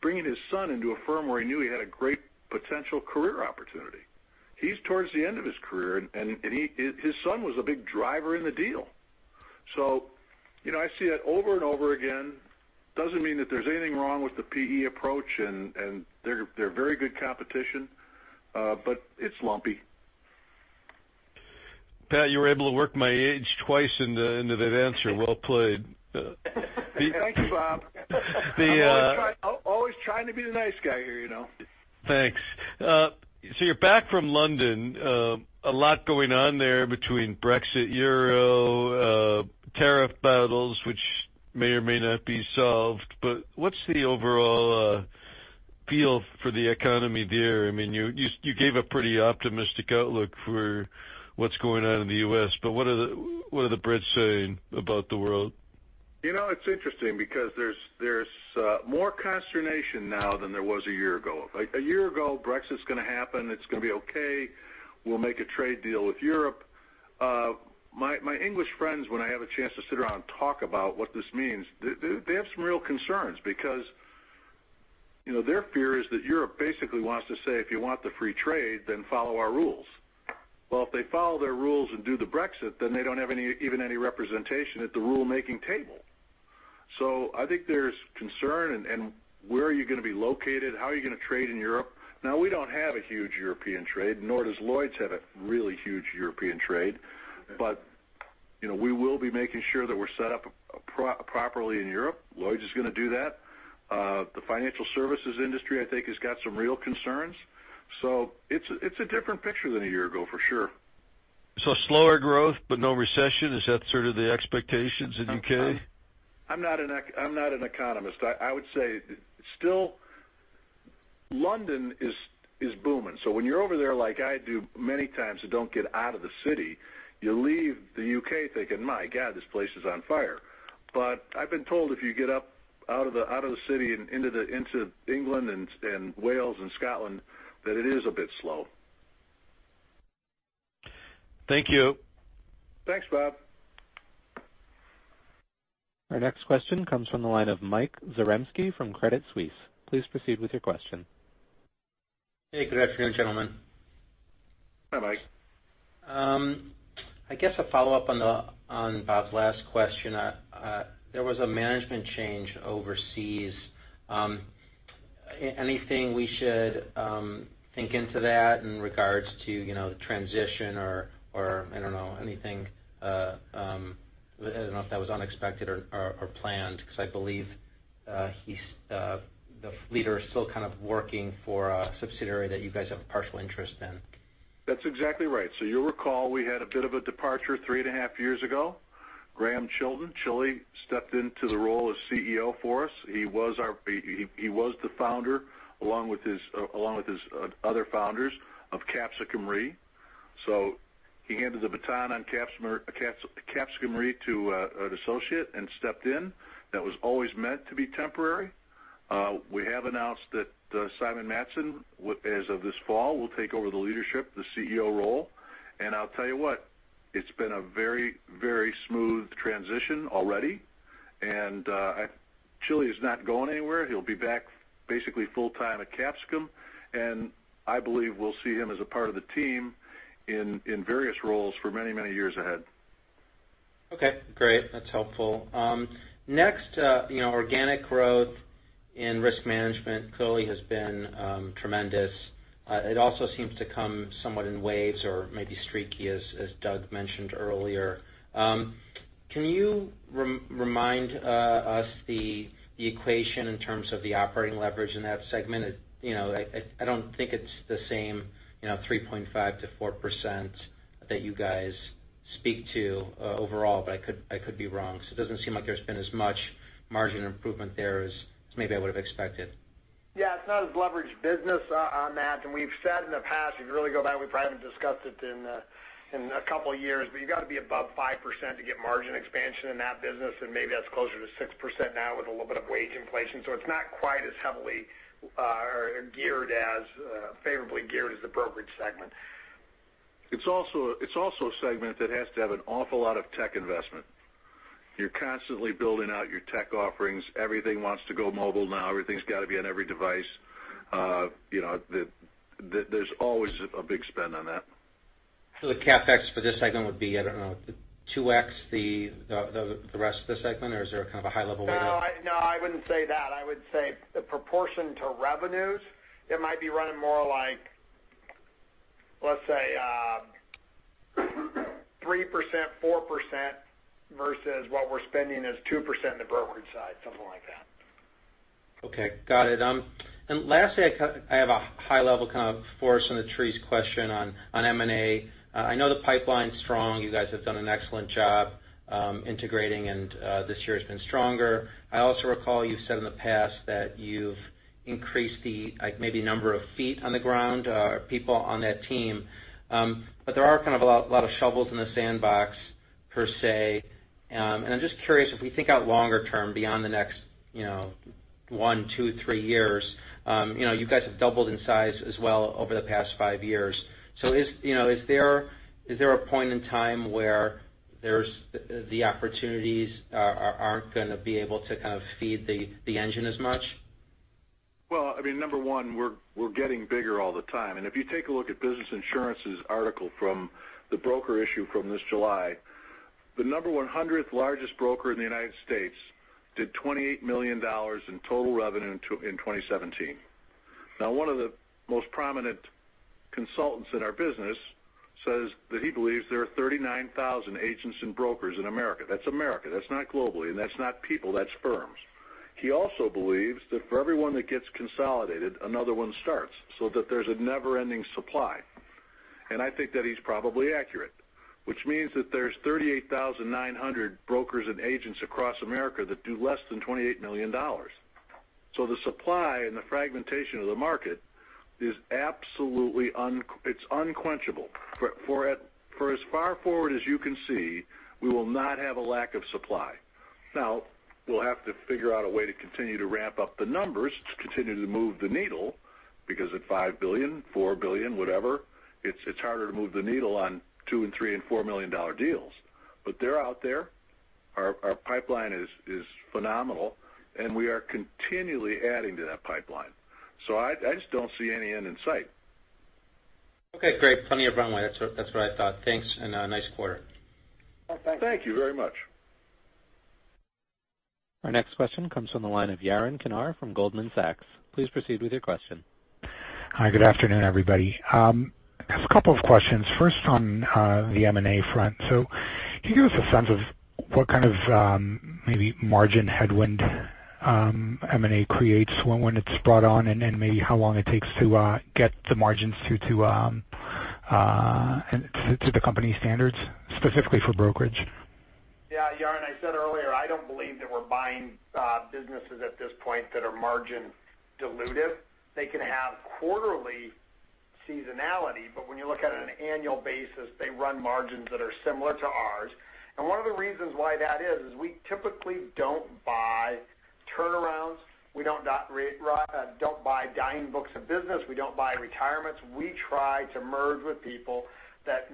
bringing his son into a firm where he knew he had a great potential career opportunity. He's towards the end of his career, and his son was a big driver in the deal. I see that over and over again. Doesn't mean that there's anything wrong with the PE approach, they're very good competition, but it's lumpy. Pat, you were able to work my age twice into that answer. Well played. Thank you, Bob. Always trying to be the nice guy here. Thanks. You're back from London. A lot going on there between Brexit, euro, tariff battles, which may or may not be solved. What's the overall feel for the economy there? You gave a pretty optimistic outlook for what's going on in the U.S., but what are the Brits saying about the world? It's interesting because there's more consternation now than there was a year ago. A year ago, Brexit's going to happen. It's going to be okay. We'll make a trade deal with Europe. My English friends, when I have a chance to sit around and talk about what this means, they have some real concerns because their fear is that Europe basically wants to say, if you want the free trade, then follow our rules. Well, if they follow their rules and do the Brexit, then they don't have even any representation at the rulemaking table. I think there's concern and where are you going to be located? How are you going to trade in Europe? Now, we don't have a huge European trade, nor does Lloyd's have a really huge European trade. We will be making sure that we're set up properly in Europe. Lloyd's is going to do that. The financial services industry, I think, has got some real concerns. It's a different picture than a year ago, for sure. Slower growth, but no recession, is that sort of the expectations in U.K.? I'm not an economist. I would say, still London is booming. When you're over there like I do many times and don't get out of the city, you leave the U.K. thinking, "My God, this place is on fire." I've been told if you get up out of the city into England and Wales and Scotland, that it is a bit slow. Thank you. Thanks, Bob. Our next question comes from the line of Michael Zaremski from Credit Suisse. Please proceed with your question. Hey, good afternoon, gentlemen. Hi, Mike. I guess a follow-up on Bob's last question. There was a management change overseas. Anything we should think into that in regards to transition or, I don't know, anything, I don't know if that was unexpected or planned, because I believe the leader is still kind of working for a subsidiary that you guys have a partial interest in. That's exactly right. You'll recall we had a bit of a departure three and a half years ago. Graham Chilton, Chili, stepped into the role as CEO for us. He was the founder, along with his other founders of Capsicum Re. He handed the baton on Capsicum Re to an associate and stepped in. That was always meant to be temporary. We have announced that Simon Matson, as of this fall, will take over the leadership, the CEO role. I'll tell you what, it's been a very, very smooth transition already. Chili is not going anywhere. He'll be back basically full-time at Capsicum, and I believe we'll see him as a part of the team in various roles for many, many years ahead. Okay, great. That's helpful. Next, organic growth in risk management clearly has been tremendous. It also seems to come somewhat in waves or maybe streaky, as Doug mentioned earlier. Can you remind us the equation in terms of the operating leverage in that segment? I don't think it's the same 3.5%-4% that you guys speak to overall, but I could be wrong. It doesn't seem like there's been as much margin improvement there as maybe I would've expected. Yeah, it's not as leveraged business on that. We've said in the past, if you really go back, we probably haven't discussed it in a couple of years, but you got to be above 5% to get margin expansion in that business, and maybe that's closer to 6% now with a little bit of wage inflation. It's not quite as heavily favorably geared as the brokerage segment. It's also a segment that has to have an awful lot of tech investment. You're constantly building out your tech offerings. Everything wants to go mobile now. Everything's got to be on every device. There's always a big spend on that. The CapEx for this segment would be, I don't know, 2x the rest of the segment, or is there a kind of a high level? No, I wouldn't say that. I would say the proportion to revenues, it might be running more like, let's say 3%, 4% versus what we're spending is 2% in the brokerage side, something like that. Okay, got it. Lastly, I have a high level kind of forest and the trees question on M&A. I know the pipeline's strong. You guys have done an excellent job integrating, and this year has been stronger. I also recall you've said in the past that you've increased the, maybe number of feet on the ground or people on that team. There are kind of a lot of shovels in the sandbox per se. I'm just curious if we think out longer term beyond the next one, two, three years. You guys have doubled in size as well over the past five years. Is there a point in time where the opportunities aren't going to be able to kind of feed the engine as much? Well, I mean, number one, we're getting bigger all the time. If you take a look at Business Insurance's article from the broker issue from this July, the 100th largest broker in the United States did $28 million in total revenue in 2017. One of the most prominent consultants in our business says that he believes there are 39,000 agents and brokers in America. That's America. That's not globally, and that's not people, that's firms. He also believes that for every one that gets consolidated, another one starts, so that there's a never-ending supply. I think that he's probably accurate, which means that there's 38,900 brokers and agents across America that do less than $28 million. The supply and the fragmentation of the market is absolutely unquenchable. For as far forward as you can see, we will not have a lack of supply. We'll have to figure out a way to continue to ramp up the numbers to continue to move the needle, because at $5 billion, $4 billion, whatever, it's harder to move the needle on $2 million and $3 million and $4 million deals. They're out there. Our pipeline is phenomenal, and we are continually adding to that pipeline. I just don't see any end in sight. Okay, great. Plenty of runway. That's what I thought. Thanks, and nice quarter. Thank you very much. Our next question comes from the line of Yaron Kinar from Goldman Sachs. Please proceed with your question. Hi, good afternoon, everybody. I have a couple of questions. First, on the M&A front. Can you give us a sense of what kind of, maybe margin headwind M&A creates when it's brought on, and maybe how long it takes to get the margins to the company's standards, specifically for brokerage? Yeah, Yaron, I said earlier, I don't believe that we're buying businesses at this point that are margin dilutive. They can have quarterly seasonality, but when you look at it on an annual basis, they run margins that are similar to ours. One of the reasons why that is we typically don't buy turnarounds. We don't buy dying books of business. We don't buy retirements. We try to merge with people that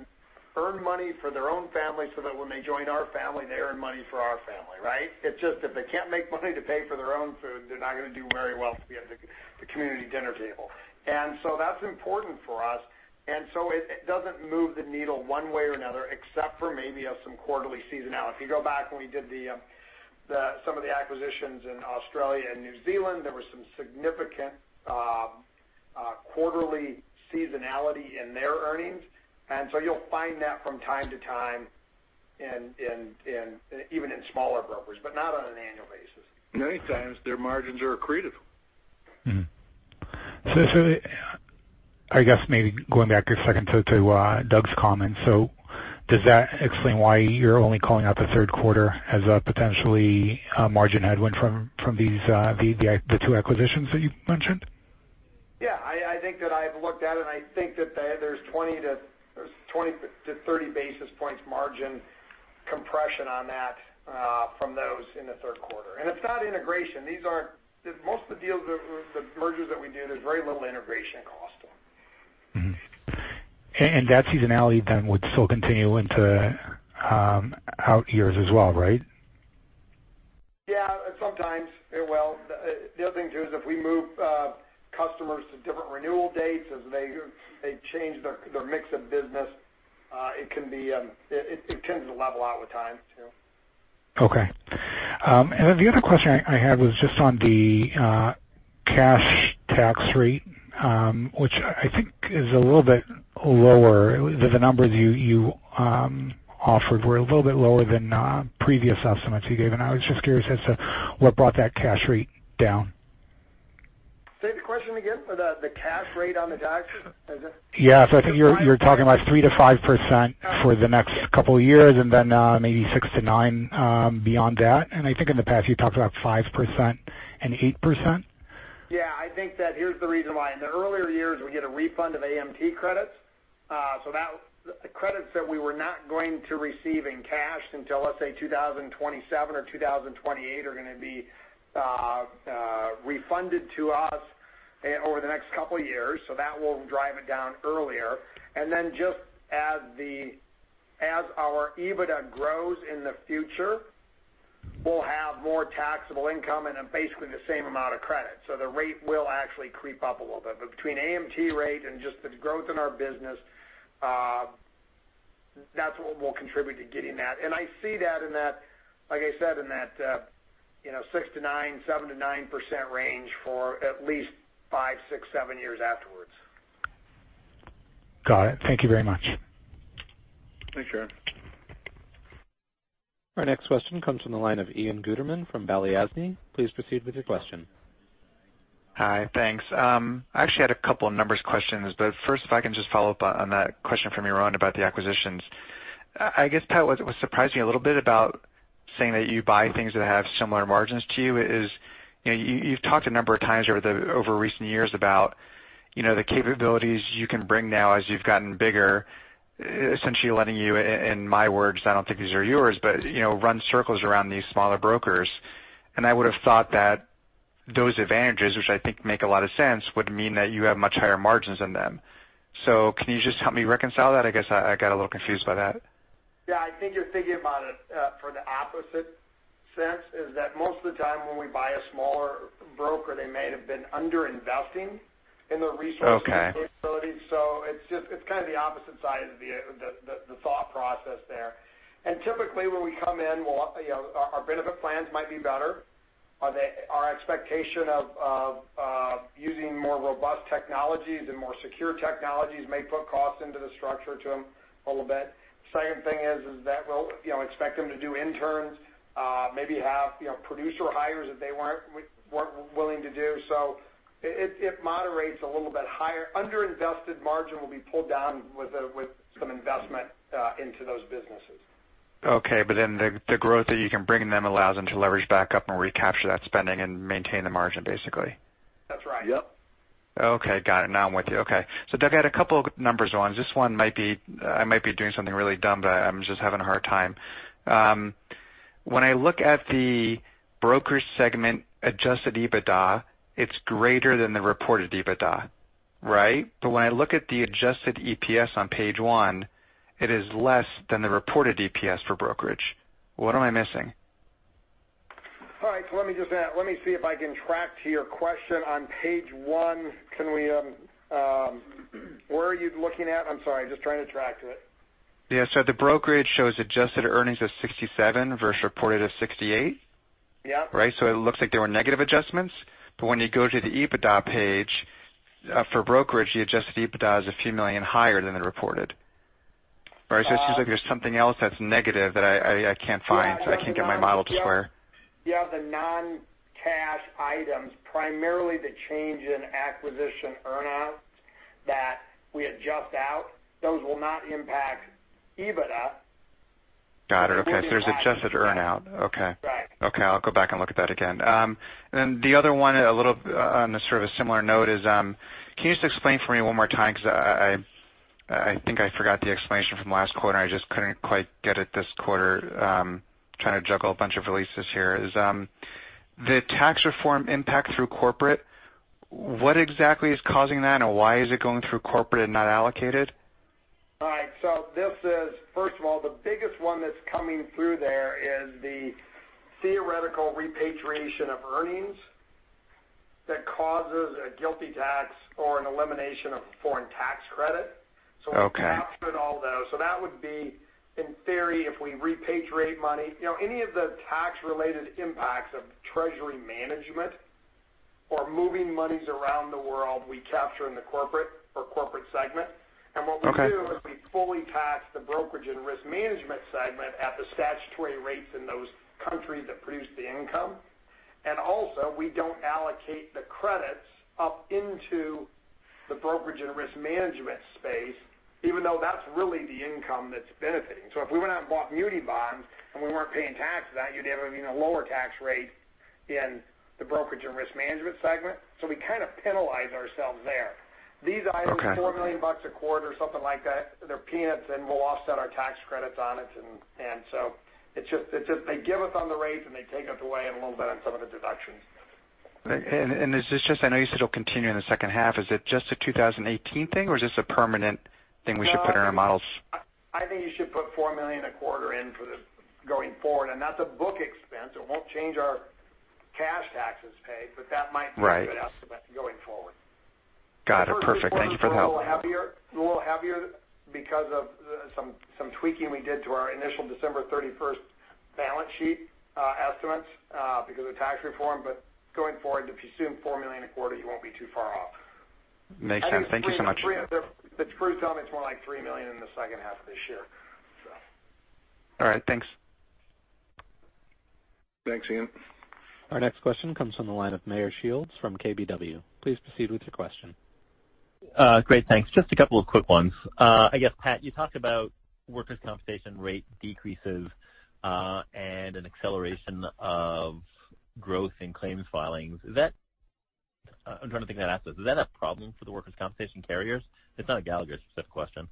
earn money for their own family, so that when they join our family, they earn money for our family, right? It's just that if they can't make money to pay for their own food, they're not going to do very well at the community dinner table. That's important for us, so it doesn't move the needle one way or another, except for maybe of some quarterly seasonality. If you go back when we did some of the acquisitions in Australia and New Zealand, there was some significant quarterly seasonality in their earnings. So you'll find that from time to time even in smaller brokers, but not on an annual basis. Many times their margins are accretive. I guess maybe going back a second to Doug's comment. Does that explain why you're only calling out the third quarter as a potentially margin headwind from the two acquisitions that you mentioned? Yeah, I think that I've looked at it, and I think that there's 20-30 basis points margin compression on that from those in the third quarter. It's not integration. Most of the deals, the mergers that we do, there's very little integration cost. That seasonality then would still continue into out years as well, right? Yeah. Sometimes it will. The other thing, too, is if we move customers to different renewal dates, as they change their mix of business, it tends to level out with time, too. Okay. The other question I had was just on the cash tax rate, which I think is a little bit lower. The numbers you offered were a little bit lower than previous estimates you gave, I was just curious as to what brought that cash rate down. Say the question again. The cash rate on the tax? Yeah. I think you're talking about 3%-5% for the next couple of years and then maybe 6%-9%, beyond that. I think in the past you talked about 5% and 8%. Yeah, I think that here's the reason why. In the earlier years, we get a refund of AMT credits. The credits that we were not going to receive in cash until, let's say, 2027 or 2028 are going to be refunded to us over the next couple of years. That will drive it down earlier. Just as our EBITDA grows in the future, we'll have more taxable income and basically the same amount of credit. The rate will actually creep up a little bit. Between AMT rate and just the growth in our business, that's what will contribute to getting that. I see that in that, like I said, in that, 6%-9%, 7%-9% range for at least five, six, seven years afterwards. Got it. Thank you very much. Thanks, Yaron. Our next question comes from the line of Ian Gutterman from Balyasny. Please proceed with your question. Hi. Thanks. I actually had a couple of numbers questions. First, if I can just follow up on that question from Yaron about the acquisitions. I guess, part of what surprised me a little bit about saying that you buy things that have similar margins to you is, you've talked a number of times over recent years about the capabilities you can bring now as you've gotten bigger, essentially letting you, in my words, I don't think these are yours, but run circles around these smaller brokers. I would've thought that those advantages, which I think make a lot of sense, would mean that you have much higher margins than them. Can you just help me reconcile that? I guess I got a little confused by that. Yeah. I think you're thinking about it for the opposite sense, is that most of the time when we buy a smaller broker, they may have been under-investing in the resources- Okay and capabilities. It's kind of the opposite side of the thought process there. Typically, when we come in, our benefit plans might be better. Our expectation of using more robust technologies and more secure technologies may put cost into the structure to them a little bit. Second thing is that we'll expect them to do interns, maybe have producer hires that they weren't willing to do. It moderates a little bit higher. Under-invested margin will be pulled down with some investment into those businesses. Okay. The growth that you can bring them allows them to leverage back up and recapture that spending and maintain the margin, basically. That's right. Yep. Okay, got it. Now I'm with you. Okay. Doug, I had a couple of number ones. This one I might be doing something really dumb, but I'm just having a hard time. When I look at the brokers segment adjusted EBITDA, it is greater than the reported EBITDA, right? When I look at the adjusted EPS on page one, it is less than the reported EPS for brokerage. What am I missing? All right. Let me see if I can track to your question on page one. Where are you looking at? I'm sorry, just trying to track it. Yeah. The brokerage shows adjusted earnings of 67 versus reported of 68. Yeah. It looks like there were negative adjustments. When you go to the EBITDA page for brokerage, the adjusted EBITDA is a few million higher than the reported. Right? It seems like there's something else that's negative that I can't find, so I can't get my model to square. The non-cash items, primarily the change in acquisition earn-out that we adjust out, those will not impact EBITDA. Got it. Okay. There's adjusted earn-out. Okay. Right. Okay. I'll go back and look at that again. The other one on a sort of a similar note is, can you just explain for me one more time, because I think I forgot the explanation from last quarter, and I just couldn't quite get it this quarter. Trying to juggle a bunch of releases here. Is the tax reform impact through corporate, what exactly is causing that, and why is it going through corporate and not allocated? All right. This is, first of all, the biggest one that's coming through there is the theoretical repatriation of earnings that causes a GILTI tax or an elimination of a foreign tax credit. Okay. We captured all those. That would be, in theory, if we repatriate money. Any of the tax-related impacts of treasury management or moving monies around the world, we capture in the corporate segment. Okay. What we do is we fully tax the Brokerage and Risk Management segment at the statutory rates in those countries that produce the income. Also, we don't allocate the credits up into the Brokerage and Risk Management space, even though that's really the income that's benefiting. If we went out and bought muni bonds, and we weren't paying tax on that, you'd have a even lower tax rate in the Brokerage and Risk Management segment. We kind of penalize ourselves there. Okay. These items, $4 million a quarter, something like that, they're peanuts, and we'll offset our tax credits on it. They give us on the rates, and they take us away a little bit on some of the deductions. I know you said it'll continue in the second half. Is it just a 2018 thing, or is this a permanent thing we should put in our models? I think you should put $4 million a quarter in going forward. That's a book expense. It won't change our cash taxes paid, but that might even it out going forward. Got it. Perfect. Thank you for the help. A little heavier because of some tweaking we did to our initial December 31st balance sheet estimates because of tax reform. Going forward, if you assume $4 million a quarter, you won't be too far off. Makes sense. Thank you so much. The crew tell me it's more like $3 million in the second half of this year. All right. Thanks. Thanks, Ian. Our next question comes from the line of Meyer Shields from KBW. Please proceed with your question. Great. Thanks. Just a couple of quick ones. I guess, Pat, you talked about workers' compensation rate decreases, and an acceleration of growth in claims filings. I'm trying to think how to ask this. Is that a problem for the workers' compensation carriers? It's not a Gallagher specific question.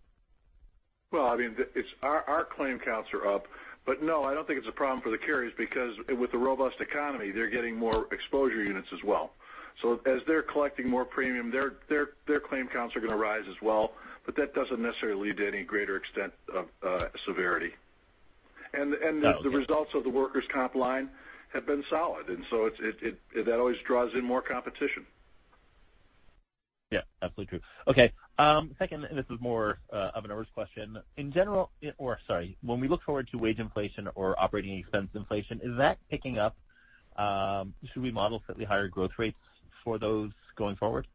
Well, I mean, our claim counts are up. No, I don't think it's a problem for the carriers, because with the robust economy, they're getting more exposure units as well. As they're collecting more premium, their claim counts are going to rise as well. That doesn't necessarily lead to any greater extent of severity. Got it. The results of the workers' comp line have been solid, and so that always draws in more competition. Yeah. Absolutely true. Okay. Second, this is more of an obvious question. When we look forward to wage inflation or operating expense inflation, is that picking up? Should we model slightly higher growth rates for those going forward?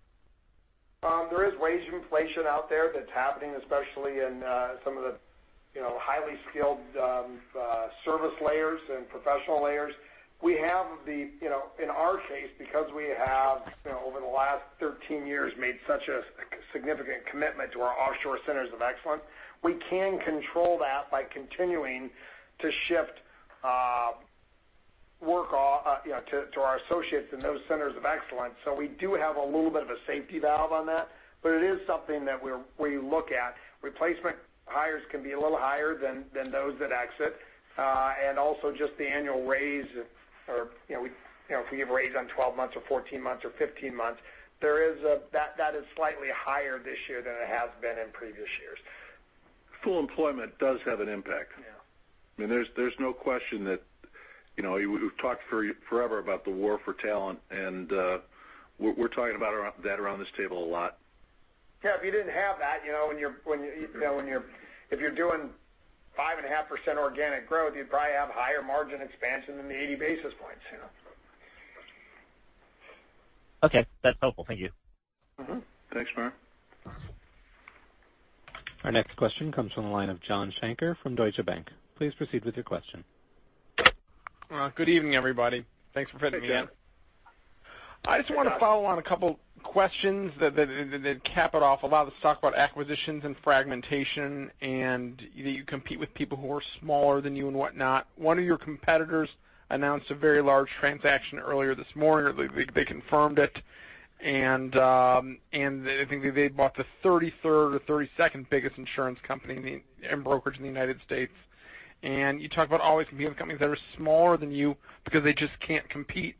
There is wage inflation out there that's happening, especially in some of the highly skilled service layers and professional layers. In our case, because we have over the last 13 years, made such a significant commitment to our offshore centers of excellence, we can control that by continuing to shift work to our associates in those centers of excellence. We do have a little bit of a safety valve on that. It is something that we look at. Replacement hires can be a little higher than those that exit. Also just the annual raise. If we give a raise on 12 months or 14 months or 15 months, that is slightly higher this year than it has been in previous years. Full employment does have an impact. Yeah. I mean, there's no question that we've talked forever about the war for talent. We're talking about that around this table a lot. Yeah. If you didn't have that, if you're doing 5.5% organic growth, you'd probably have higher margin expansion than the 80 basis points. Okay. That's helpful. Thank you. Thanks, Meyer. Our next question comes from the line of Josh Shanker from Deutsche Bank. Please proceed with your question. Good evening, everybody. Thanks for putting me on. Hey, Josh. I just want to follow on a couple questions that cap it off. A lot of this talk about acquisitions and fragmentation, and you compete with people who are smaller than you and whatnot. One of your competitors announced a very large transaction earlier this morning, or they confirmed it, and I think they bought the 33rd or 32nd biggest insurance company in brokerage in the U.S. You talk about always competing with companies that are smaller than you because they just can't compete.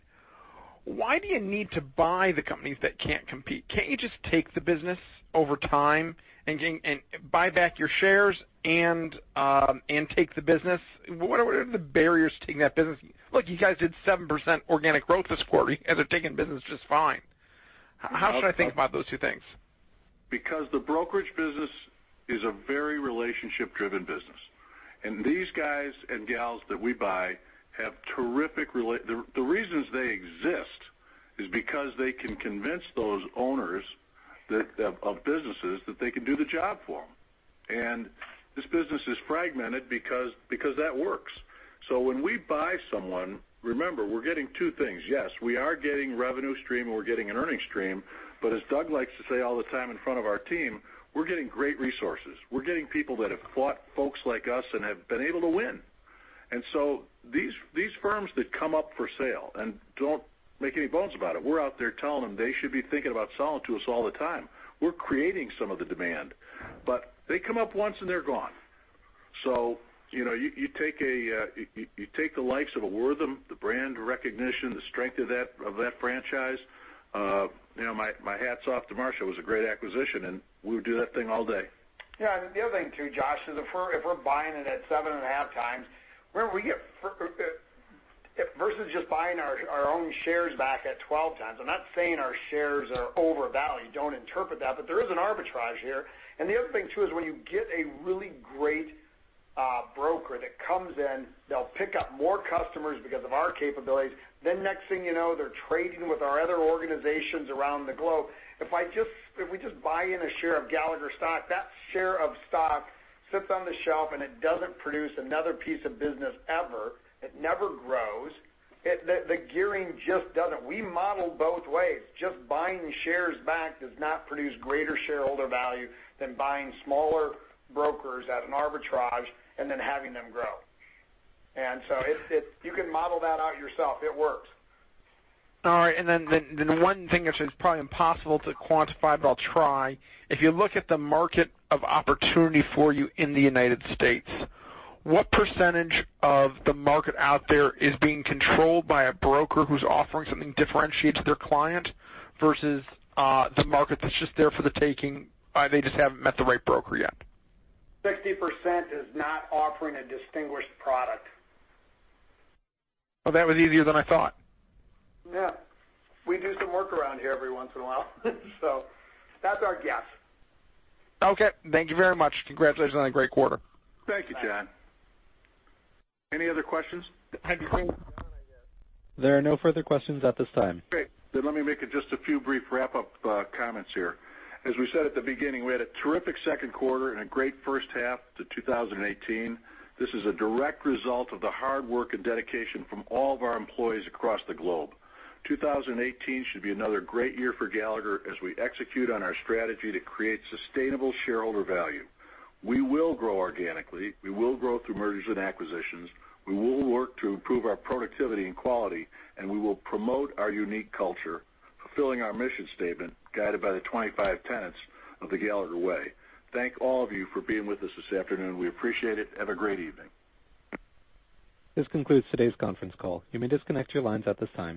Why do you need to buy the companies that can't compete? Can't you just take the business over time and buy back your shares and take the business? What are the barriers to taking that business? Look, you guys did 7% organic growth this quarter. You guys are taking business just fine. How should I think about those two things? The brokerage business is a very relationship-driven business, and these guys and gals that we buy have terrific. The reasons they exist is because they can convince those owners of businesses that they can do the job for them. This business is fragmented because that works. When we buy someone, remember, we're getting two things. Yes, we are getting revenue stream, and we're getting an earnings stream, but as Doug likes to say all the time in front of our team, we're getting great resources. We're getting people that have fought folks like us and have been able to win. These firms that come up for sale, and don't make any bones about it, we're out there telling them they should be thinking about selling to us all the time. We're creating some of the demand. They come up once, and they're gone. You take the likes of a Wortham, the brand recognition, the strength of that franchise. My hat's off to Marsh. It was a great acquisition, we would do that thing all day. Yeah. The other thing, too, Josh, is if we're buying it at 7.5 times, remember, versus just buying our own shares back at 12 times. I'm not saying our shares are overvalued, don't interpret that, but there is an arbitrage here. The other thing, too, is when you get a really great broker that comes in, they'll pick up more customers because of our capabilities. Next thing you know, they're trading with our other organizations around the globe. If we just buy in a share of Gallagher stock, that share of stock sits on the shelf, it doesn't produce another piece of business ever. It never grows. The gearing just doesn't. We model both ways. Just buying shares back does not produce greater shareholder value than buying smaller brokers at an arbitrage and then having them grow. You can model that out yourself. It works. All right. The one thing which is probably impossible to quantify, but I'll try. If you look at the market of opportunity for you in the United States, what % of the market out there is being controlled by a broker who's offering something differentiated to their client versus the market that's just there for the taking, they just haven't met the right broker yet? 60% is not offering a distinguished product. Well, that was easier than I thought. Yeah. We do some work around here every once in a while, so that's our guess. Okay. Thank you very much. Congratulations on a great quarter. Thank you, John. Any other questions? I think we're done, I guess. There are no further questions at this time. Great. Let me make just a few brief wrap-up comments here. As we said at the beginning, we had a terrific second quarter and a great first half to 2018. This is a direct result of the hard work and dedication from all of our employees across the globe. 2018 should be another great year for Gallagher as we execute on our strategy to create sustainable shareholder value. We will grow organically, we will grow through mergers and acquisitions, we will work to improve our productivity and quality, and we will promote our unique culture, fulfilling our mission statement, guided by the 25 tenets of The Gallagher Way. Thank all of you for being with us this afternoon. We appreciate it. Have a great evening. This concludes today's conference call. You may disconnect your lines at this time.